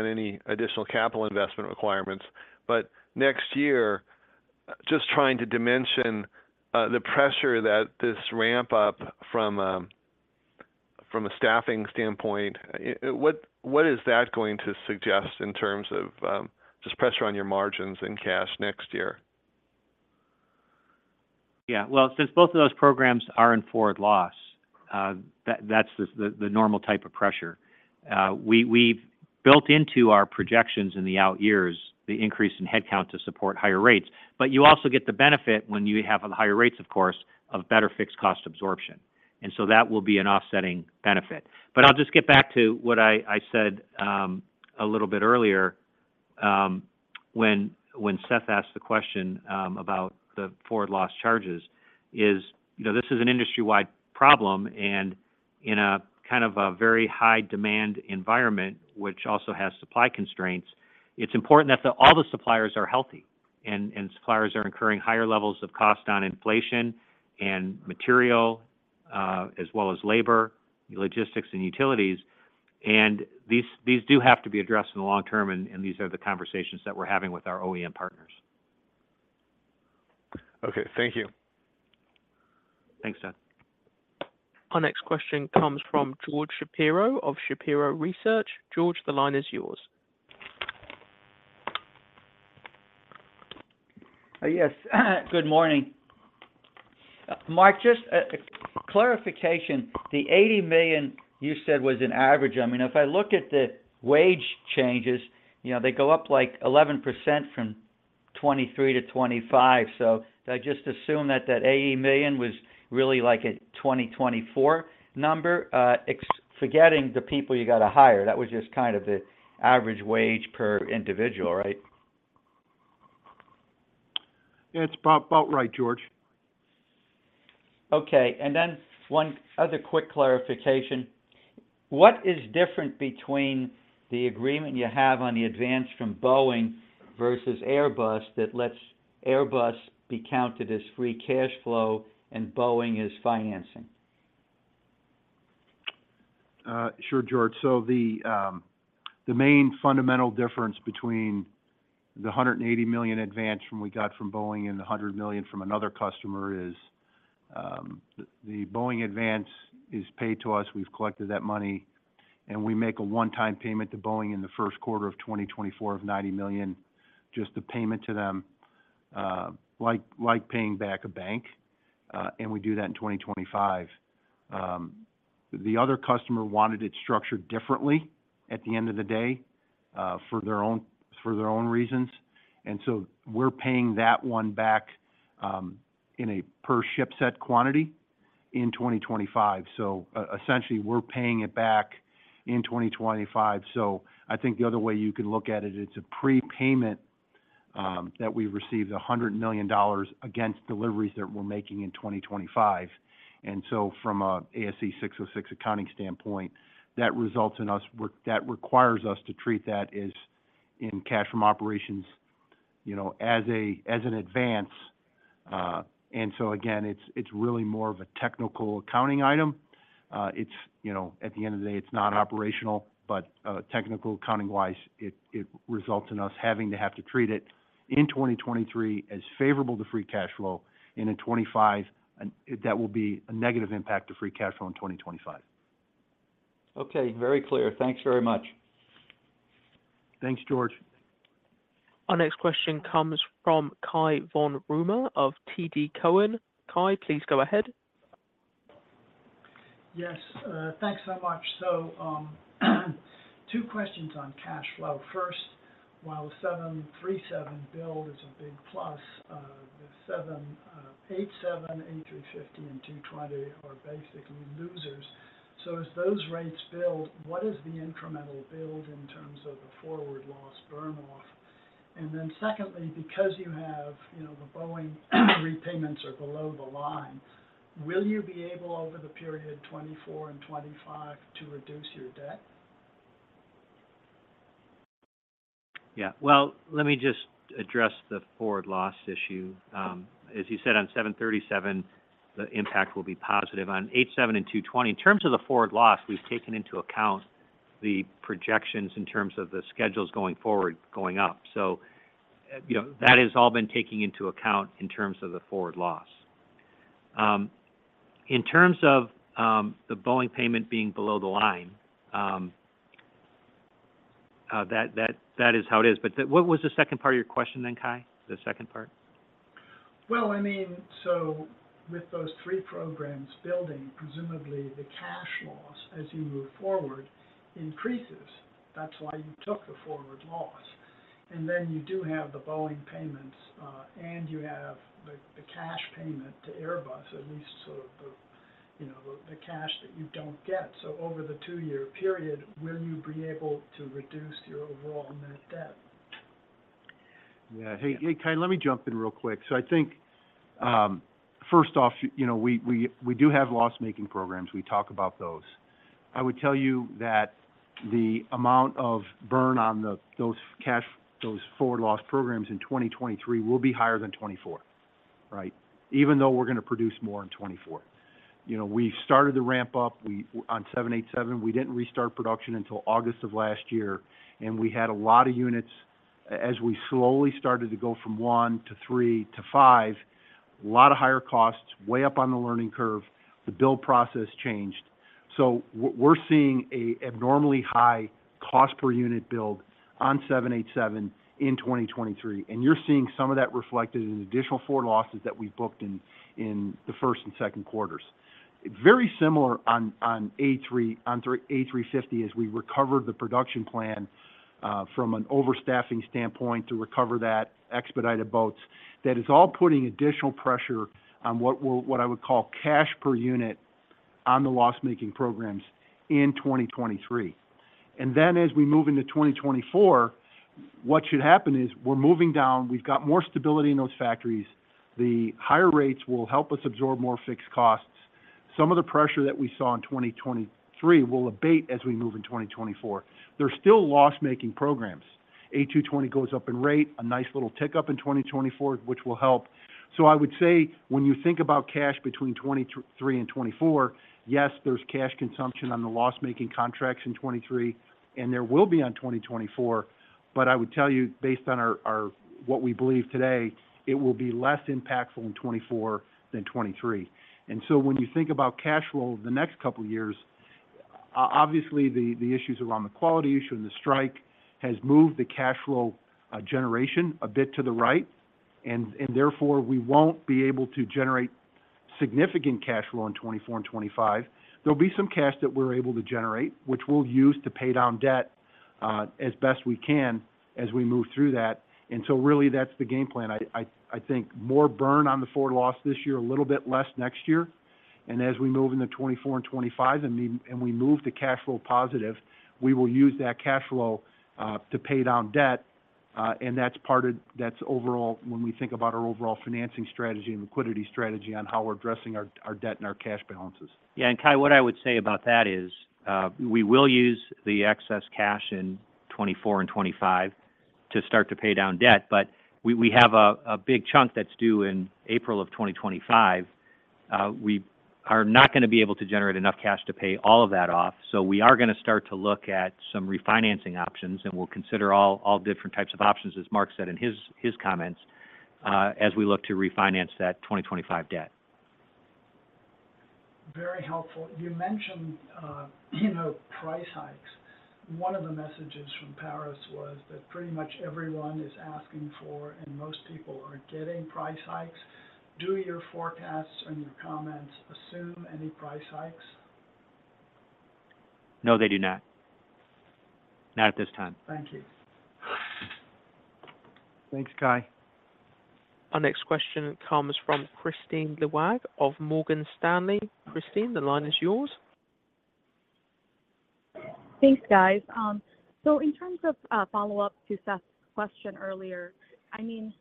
any additional capital investment requirements, but next year, just trying to dimension, the pressure that this ramp up from, from a staffing standpoint, what is that going to suggest in terms of, just pressure on your margins and cash next year? Yeah. Well, since both of those programs are in forward loss, that- that's the, the normal type of pressure. We've built into our projections in the out years, the increase in headcount to support higher rates. You also get the benefit when you have higher rates, of course, of better fixed cost absorption, and so that will be an offsetting benefit. I'll just get back to what I said, a little bit earlier, when Seth asked the question, about the forward loss charges, is, you know, this is an industry-wide problem and in a kind of a very high demand environment, which also has supply constraints, it's important that all the suppliers are healthy and suppliers are incurring higher levels of cost on inflation and material, as well as labor, logistics and utilities. These, these do have to be addressed in the long term, and, and these are the conversations that we're having with our OEM partners. Okay, thank you. Thanks, Seth. Our next question comes from George Shapiro of Shapiro Research. George, the line is yours. Yes, good morning. Mark, just a, a clarification. The $80 million you said was an average. I mean, if I look at the wage changes, you know, they go up like 11% from 2023 to 2025. Do I just assume that that $80 million was really like a 2024 number? Forgetting the people you got to hire, that was just kind of the average wage per individual, right? It's about, about right, George. Okay, then one other quick clarification. What is different between the agreement you have on the advance from Boeing versus Airbus that lets Airbus be counted as free cash flow and Boeing as financing? Sure, George. The main fundamental difference between the $180 million advance from we got from Boeing and the $100 million from another customer is, the Boeing advance is paid to us. We've collected that money, and we make a one-time payment to Boeing in the first quarter of 2024 of $90 million, just the payment to them, like, like paying back a bank, and we do that in 2025. The other customer wanted it structured differently at the end of the day, for their own, for their own reasons. We're paying that one back, in a per ship set quantity in 2025. Essentially, we're paying it back in 2025. I think the other way you can look at it, it's a prepayment, that we received $100 million against deliveries that we're making in 2025. From a ASC 606 accounting standpoint, that results in us that requires us to treat that as in cash from operations, you know, as a, as an advance. Again, it's, it's really more of a technical accounting item. It's, you know, at the end of the day, it's not operational, but technical accounting-wise, it, it results in us having to have to treat it in 2023 as favorable to free cash flow, and in 2025, and that will be a negative impact to free cash flow in 2025. Okay, very clear. Thanks very much. Thanks, George. Our next question comes from Cai von Rumohr of TD Cowen. Cai, please go ahead. Yes, thanks so much. Two questions on cash flow. First, while 737 build is a big plus, the 787, A350, and A220 are basically losers. As those rates build, what is the incremental build in terms of the forward loss burn-off? Secondly, because you have, you know, the Boeing repayments are below the line, will you be able, over the period 2024 and 2025, to reduce your debt? Yeah. Well, let me just address the forward loss issue. As you said, on 737, the impact will be positive. On 787 and A220, in terms of the forward loss, we've taken into account the projections in terms of the schedules going forward, going up. You know, that has all been taken into account in terms of the forward loss. In terms of the Boeing payment being below the line, that, that, that is how it is. What was the second part of your question then, Cai? The second part? Well, I mean, with those three programs building, presumably the cash loss, as you move forward, increases. That's why you took the forward loss. Then you do have the Boeing payments, and you have the, the cash payment to Airbus, at least sort of the, you know, the cash that you don't get. Over the two-year period, will you be able to reduce your overall net debt? Yeah. Hey, Cai, let me jump in real quick. I think, first off, you know, we, we, we do have loss-making programs. We talk about those. I would tell you that the amount of burn on the, those cash, those forward loss programs in 2023 will be higher than 2024, right? Even though we're going to produce more in 2024. You know, we started the ramp up, on 787. We didn't restart production until August of last year, and we had a lot of units. As we slowly started to go from one to three to five, a lot of higher costs, way up on the learning curve, the build process changed. We're seeing a abnormally high cost per unit build on 787 in 2023, and you're seeing some of that reflected in additional forward losses that we booked in the first and second quarters. Very similar on A350, as we recovered the production plan from an overstaffing standpoint to recover that expedited bolts. That is all putting additional pressure on what I would call cash per unit on the loss-making programs in 2023. Then as we move into 2024, what should happen is we're moving down, we've got more stability in those factories. The higher rates will help us absorb more fixed costs. Some of the pressure that we saw in 2023 will abate as we move in 2024. They're still loss-making programs. A220 goes up in rate, a nice little tick up in 2024, which will help. I would say, when you think about cash between 2023 and 2024, yes, there's cash consumption on the loss-making contracts in 2023, and there will be on 2024, but I would tell you, based on our, what we believe today, it will be less impactful in 2024 than 2023. When you think about cash flow over the next couple of years, obviously, the, the issues around the quality issue and the strike has moved the cash flow generation a bit to the right, and therefore, we won't be able to generate significant cash flow in 2024 and 2025. There'll be some cash that we're able to generate, which we'll use to pay down debt, as best we can as we move through that. Really, that's the game plan. I, I, I think more burn on the forward loss this year, a little bit less next year. As we move into 2024 and 2025 and we, and we move to cash flow positive, we will use that cash flow, to pay down debt, and that's part of, that's overall when we think about our overall financing strategy and liquidity strategy on how we're addressing our, our debt and our cash balances. Yeah, Cai, what I would say about that is, we will use the excess cash in 2024 and 2025 to start to pay down debt, but we, we have a, a big chunk that's due in April of 2025. We are not going to be able to generate enough cash to pay all of that off, so we are going to start to look at some refinancing options, and we'll consider all, all different types of options, as Mark said in his, his comments, as we look to refinance that 2025 debt. Very helpful. You mentioned, you know, price hikes. One of the messages from Paris was that pretty much everyone is asking for, and most people are getting, price hikes. Do your forecasts and your comments assume any price hikes? No, they do not. Not at this time. Thank you. Thanks, Cai. Our next question comes from Kristine Liwag of Morgan Stanley. Kristine, the line is yours. Thanks, guys. So in terms of a follow-up to Seth's question earlier, I mean,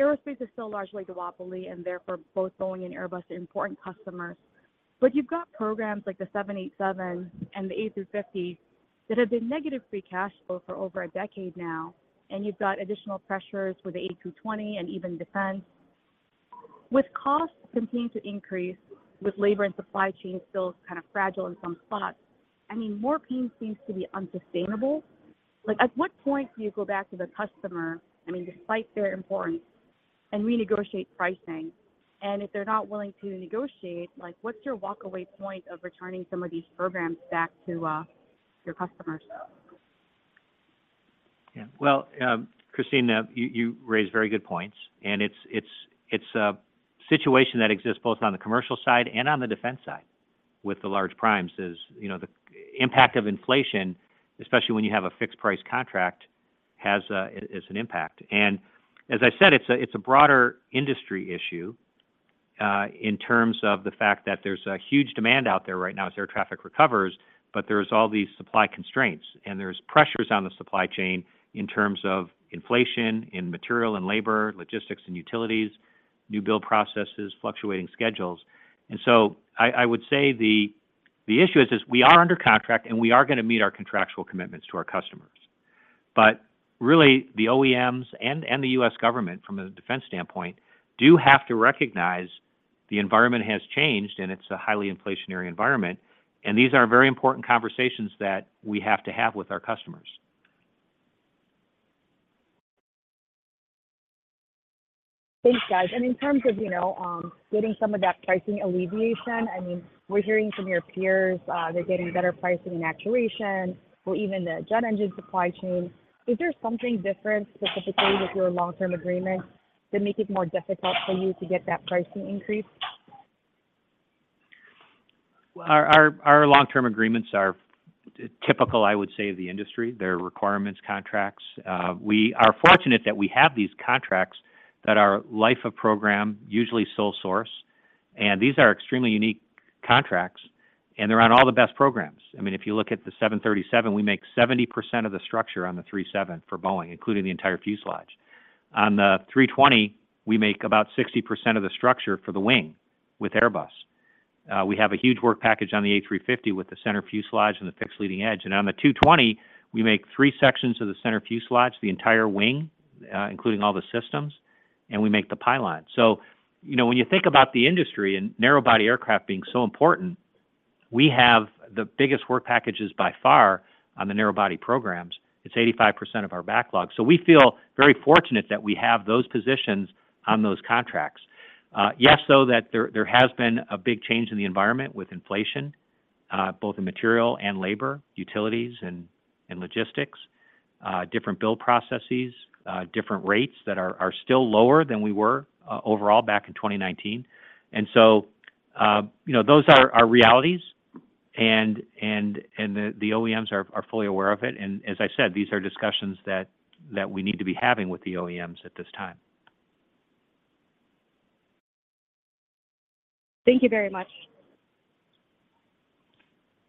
aerospace is still largely duopoly, and therefore, both Boeing and Airbus are important customers. You've got programs like the 787 and the A350 that have been negative free cash flow for over a decade now, and you've got additional pressures with the A220 and even defense. With costs continuing to increase, with labor and supply chain still kind of fragile in some spots, I mean, more pain seems to be unsustainable. Like, at what point do you go back to the customer, I mean, despite their importance, and renegotiate pricing, and if they're not willing to negotiate, like, what's your walkaway point of returning some of these programs back to your customers? Yeah, well, Kristine, you, you raise very good points, and it's, it's, it's a situation that exists both on the commercial side and on the defense side with the large primes is, you know, the impact of inflation, especially when you have a fixed price contract, has, it is an impact. As I said, it's a, it's a broader industry issue, in terms of the fact that there's a huge demand out there right now as air traffic recovers, but there's all these supply constraints, and there's pressures on the supply chain in terms of inflation, in material and labor, logistics and utilities, new build processes, fluctuating schedules. So I, I would say the, the issue is, is we are under contract, and we are gonna meet our contractual commitments to our customers. Really, the OEMs and the U.S. government, from a defense standpoint, do have to recognize the environment has changed, and it's a highly inflationary environment, and these are very important conversations that we have to have with our customers. Thanks, guys. In terms of, you know, getting some of that pricing alleviation, I mean, we're hearing from your peers, they're getting better pricing in actuation or even the jet engine supply chain. Is there something different, specifically with your long-term agreements, that make it more difficult for you to get that pricing increase? Our long-term agreements are typical, I would say, of the industry. They're requirements contracts. We are fortunate that we have these contracts that are life-of-program, usually sole source, and these are extremely unique contracts, and they're on all the best programs. I mean, if you look at the 737, we make 70% of the structure on the 737 for Boeing, including the entire fuselage. On the 320, we make about 60% of the structure for the wing with Airbus. We have a huge work package on the A350 with the center fuselage and the fixed leading edge. On the 220, we make three sections of the center fuselage, the entire wing, including all the systems, and we make the pylon. You know, when you think about the industry and narrow-body aircraft being so important, we have the biggest work packages by far on the narrow-body programs. It's 85% of our backlog. We feel very fortunate that we have those positions on those contracts. Yes, though, that there, there has been a big change in the environment with inflation, both in material and labor, utilities and, and logistics, different build processes, different rates that are, are still lower than we were, overall back in 2019. You know, those are our realities, and, and, and the, the OEMs are, are fully aware of it, and as I said, these are discussions that, that we need to be having with the OEMs at this time. Thank you very much.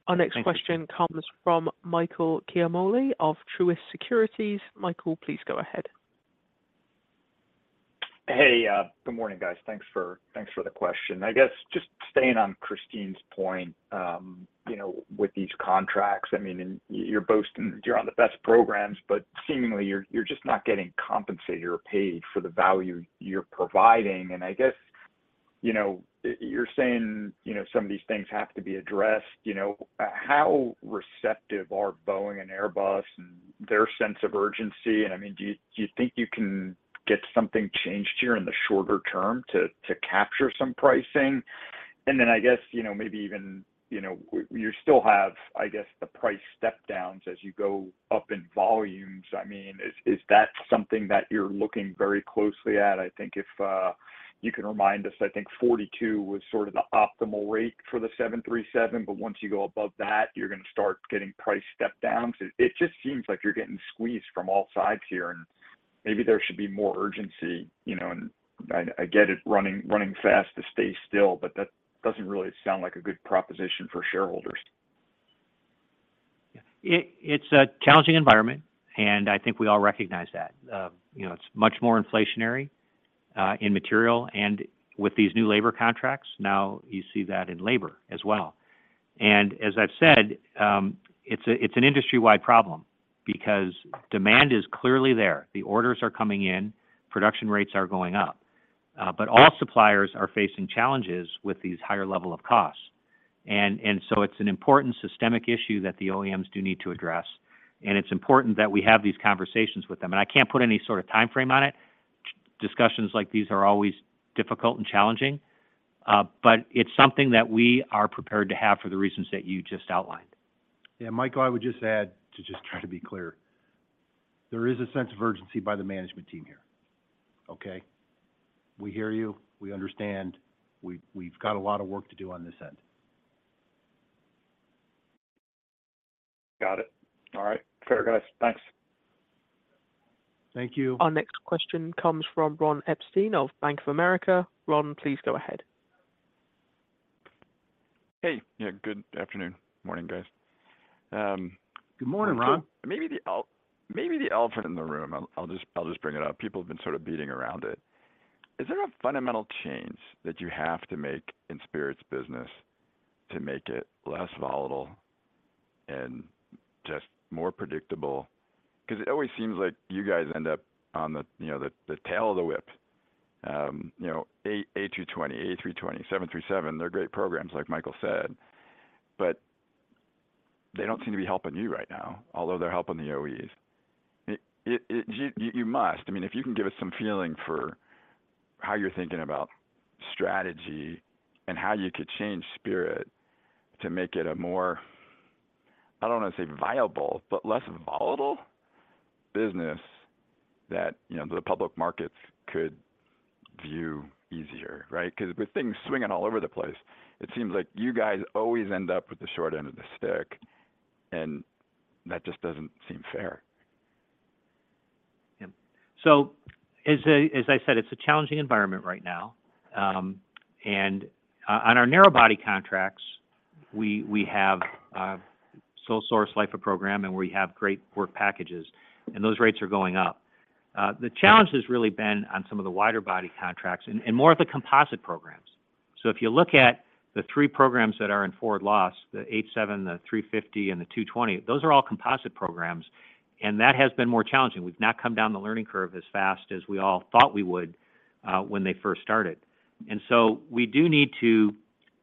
Our next question- Thank you comes from Michael Ciarmoli of Truist Securities. Michael, please go ahead. Hey, good morning, guys. Thanks for, thanks for the question. I guess just staying on Kristine's point, you know, with these contracts, I mean, and you're boasting you're on the best programs, but seemingly, you're, you're just not getting compensated or paid for the value you're providing. I guess, you know, y-you're saying, you know, some of these things have to be addressed. You know, how receptive are Boeing and Airbus and their sense of urgency, and, I mean, do you, do you think you can get something changed here in the shorter term to, to capture some pricing? Then, I guess, you know, maybe even, you know, you still have, I guess, the price step-downs as you go up in volumes. I mean, is, is that something that you're looking very closely at? I think if, you can remind us, I think 42 was sort of the optimal rate for the 737, but once you go above that, you're gonna start getting price step-downs. It just seems like you're getting squeezed from all sides here, and maybe there should be more urgency, you know, and I get it, running, running fast to stay still, but that doesn't really sound like a good proposition for shareholders. It, it's a challenging environment, and I think we all recognize that. You know, it's much more inflationary in material, and with these new labor contracts, now you see that in labor as well. As I've said, it's a, it's an industry-wide problem because demand is clearly there. The orders are coming in, production rates are going up, but all suppliers are facing challenges with these higher level of costs. It's an important systemic issue that the OEMs do need to address, and it's important that we have these conversations with them. I can't put any sort of time frame on it. Discussions like these are always difficult and challenging, but it's something that we are prepared to have for the reasons that you just outlined. Yeah, Michael, I would just add, to just try to be clear, there is a sense of urgency by the management team here, okay? We hear you. We understand. We, we've got a lot of work to do on this end. Got it. All right. Fair, guys. Thanks. Thank you. Our next question comes from Ron Epstein of Bank of America. Ron, please go ahead. Hey. Yeah, good afternoon. Morning, guys. Good morning, Ron. Maybe the elephant in the room, I'll, I'll just, I'll just bring it up. People have been sort of beating around it. Is there a fundamental change that you have to make in Spirit's business to make it less volatile and just more predictable? Because it always seems like you guys end up on the, you know, the, the tail of the whip. You know, A220, A320, 737, they're great programs, like Michael Ciarmoli said, but.... they don't seem to be helping you right now, although they're helping the OEs. You must. I mean, if you can give us some feeling for how you're thinking about strategy and how you could change Spirit to make it a more, I don't want to say viable, but less volatile business that, you know, the public markets could view easier, right? Because with things swinging all over the place, it seems like you guys always end up with the short end of the stick, and that just doesn't seem fair. Yeah. As I, as I said, it's a challenging environment right now. On our narrow body contracts, we, we have sole source life-of-program, and we have great work packages, and those rates are going up. The challenge has really been on some of the wider body contracts and more of the composite programs. If you look at the three programs that are in forward loss, the 787, the A350, and the A220, those are all composite programs, and that has been more challenging. We've not come down the learning curve as fast as we all thought we would when they first started. We do need to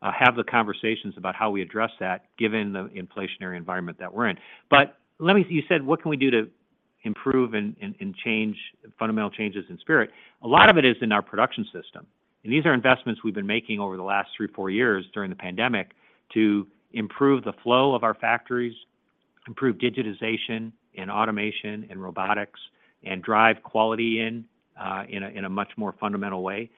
have the conversations about how we address that, given the inflationary environment that we're in. Let me-- you said, what can we do to improve and, and, and change, fundamental changes in Spirit. A lot of it is in our production system, these are investments we've been making over the last three, four years during the pandemic to improve the flow of our factories, improve digitization and automation and robotics, and drive quality in, in a, in a much more fundamental way.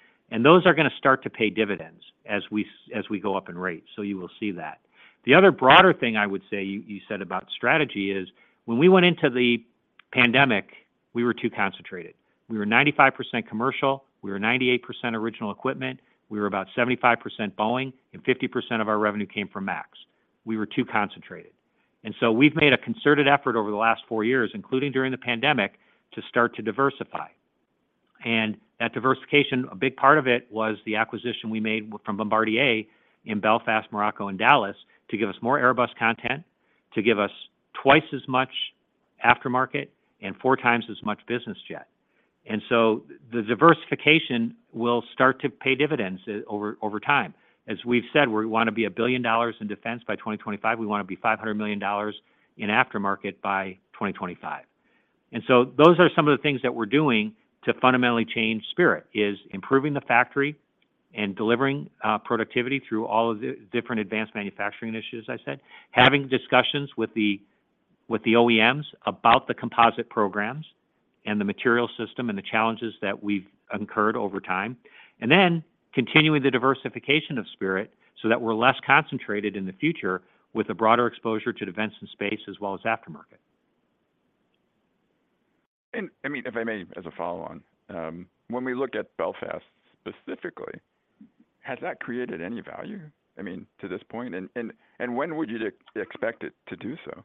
Those are going to start to pay dividends as we s- as we go up in rates, so you will see that. The other broader thing I would say, you, you said about strategy is when we went into the pandemic, we were too concentrated. We were 95% commercial, we were 98% original equipment, we were about 75% Boeing, and 50% of our revenue came from MAX. We were too concentrated. We've made a concerted effort over the last four years, including during the pandemic, to start to diversify. That diversification, a big part of it was the acquisition we made from Bombardier in Belfast, Morocco, and Dallas, to give us more Airbus content, to give us twice as much aftermarket and four times as much business jet. The diversification will start to pay dividends over, over time. As we've said, we want to be $1 billion in defense by 2025. We want to be $500 million in aftermarket by 2025. Those are some of the things that we're doing to fundamentally change Spirit, is improving the factory and delivering productivity through all of the different advanced manufacturing initiatives, I said. Having discussions with the, with the OEMs about the composite programs and the material system and the challenges that we've incurred over time. Then continuing the diversification of Spirit so that we're less concentrated in the future with a broader exposure to defense and space, as well as aftermarket. I mean, if I may, as a follow-on, when we look at Belfast specifically, has that created any value, I mean, to this point? When would you expect it to do so?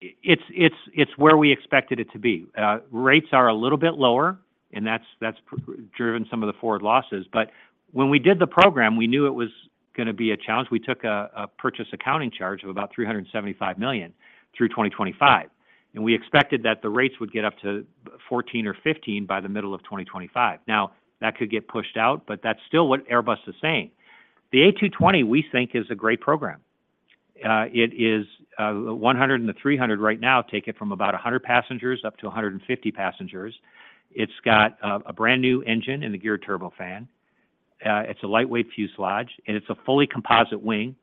It's where we expected it to be. Rates are a little bit lower, and that's driven some of the forward losses. When we did the program, we knew it was gonna be a challenge. We took a purchase accounting charge of about $375 million through 2025, we expected that the rates would get up to 14 or 15 by the middle of 2025. Now, that could get pushed out, that's still what Airbus is saying. The A220, we think, is a great program. It is the 100 and the 300 right now take it from about 100 passengers up to 150 passengers. It's got a brand-new engine in the Geared Turbofan, it's a lightweight fuselage, it's a fully composite wing,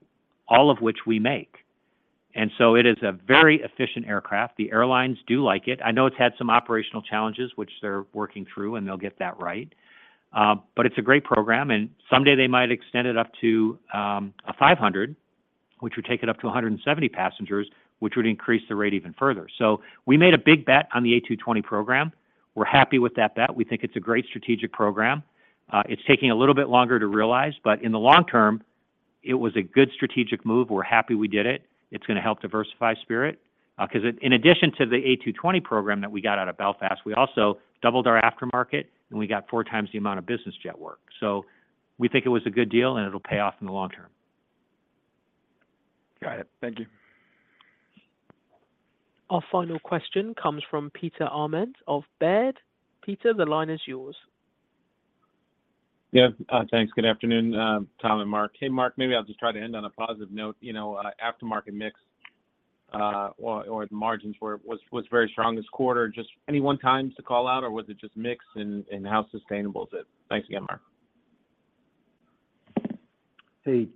all of which we make. It is a very efficient aircraft. The airlines do like it. I know it's had some operational challenges, which they're working through, and they'll get that right. It's a great program, and someday they might extend it up to a 500, which would take it up to 170 passengers, which would increase the rate even further. We made a big bet on the A220 program. We're happy with that bet. We think it's a great strategic program. It's taking a little bit longer to realize, but in the long term, it was a good strategic move. We're happy we did it. It's going to help diversify Spirit. Because in addition to the A220 program that we got out of Belfast, we also doubled our aftermarket, and we got 4x the amount of business jet work. We think it was a good deal, and it'll pay off in the long term. Got it. Thank you. Our final question comes from Peter Arment of Baird. Peter, the line is yours. Yeah, thanks. Good afternoon, Tom and Mark. Hey, Mark, maybe I'll just try to end on a positive note. You know, aftermarket mix, or the margins were very strong this quarter. Just any one times to call out, or was it just mix, and how sustainable is it? Thanks again, Mark. Hey,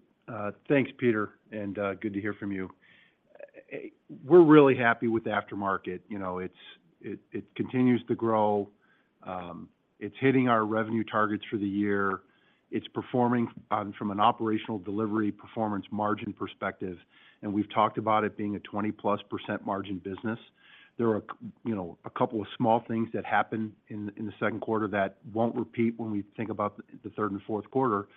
thanks, Peter, and good to hear from you. We're really happy with the aftermarket. You know, it's, it, it continues to grow, it's hitting our revenue targets for the year. It's performing, from an operational delivery, performance, margin perspective, and we've talked about it being a 20%+ margin business. There are, you know, a couple of small things that happened in, in the second quarter that won't repeat when we think about the, the third and fourth quarter,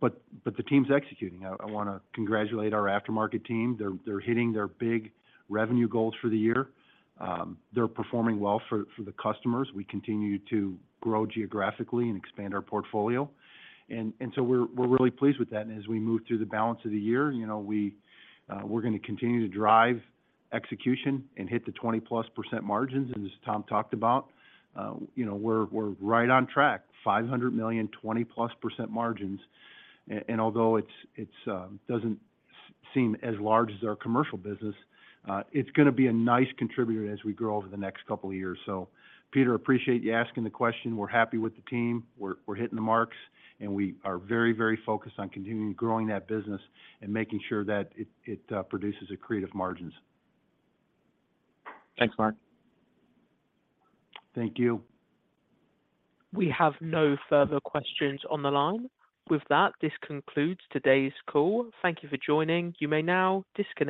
but the team's executing. I want to congratulate our aftermarket team. They're hitting their big revenue goals for the year. They're performing well for the customers. We continue to grow geographically and expand our portfolio. So we're really pleased with that, and as we move through the balance of the year, you know, we're gonna continue to drive execution and hit the 20%+ margins. As Tom talked about, you know, we're right on track, $500 million, 20%+ margins. Although it's, it's, doesn't seem as large as our commercial business, it's gonna be a nice contributor as we grow over the next couple of years. Peter, appreciate you asking the question. We're happy with the team. We're hitting the marks, and we are very, very focused on continuing growing that business and making sure that it, it produces accretive margins. Thanks, Mark. Thank you. We have no further questions on the line. With that, this concludes today's call. Thank you for joining. You may now disconnect.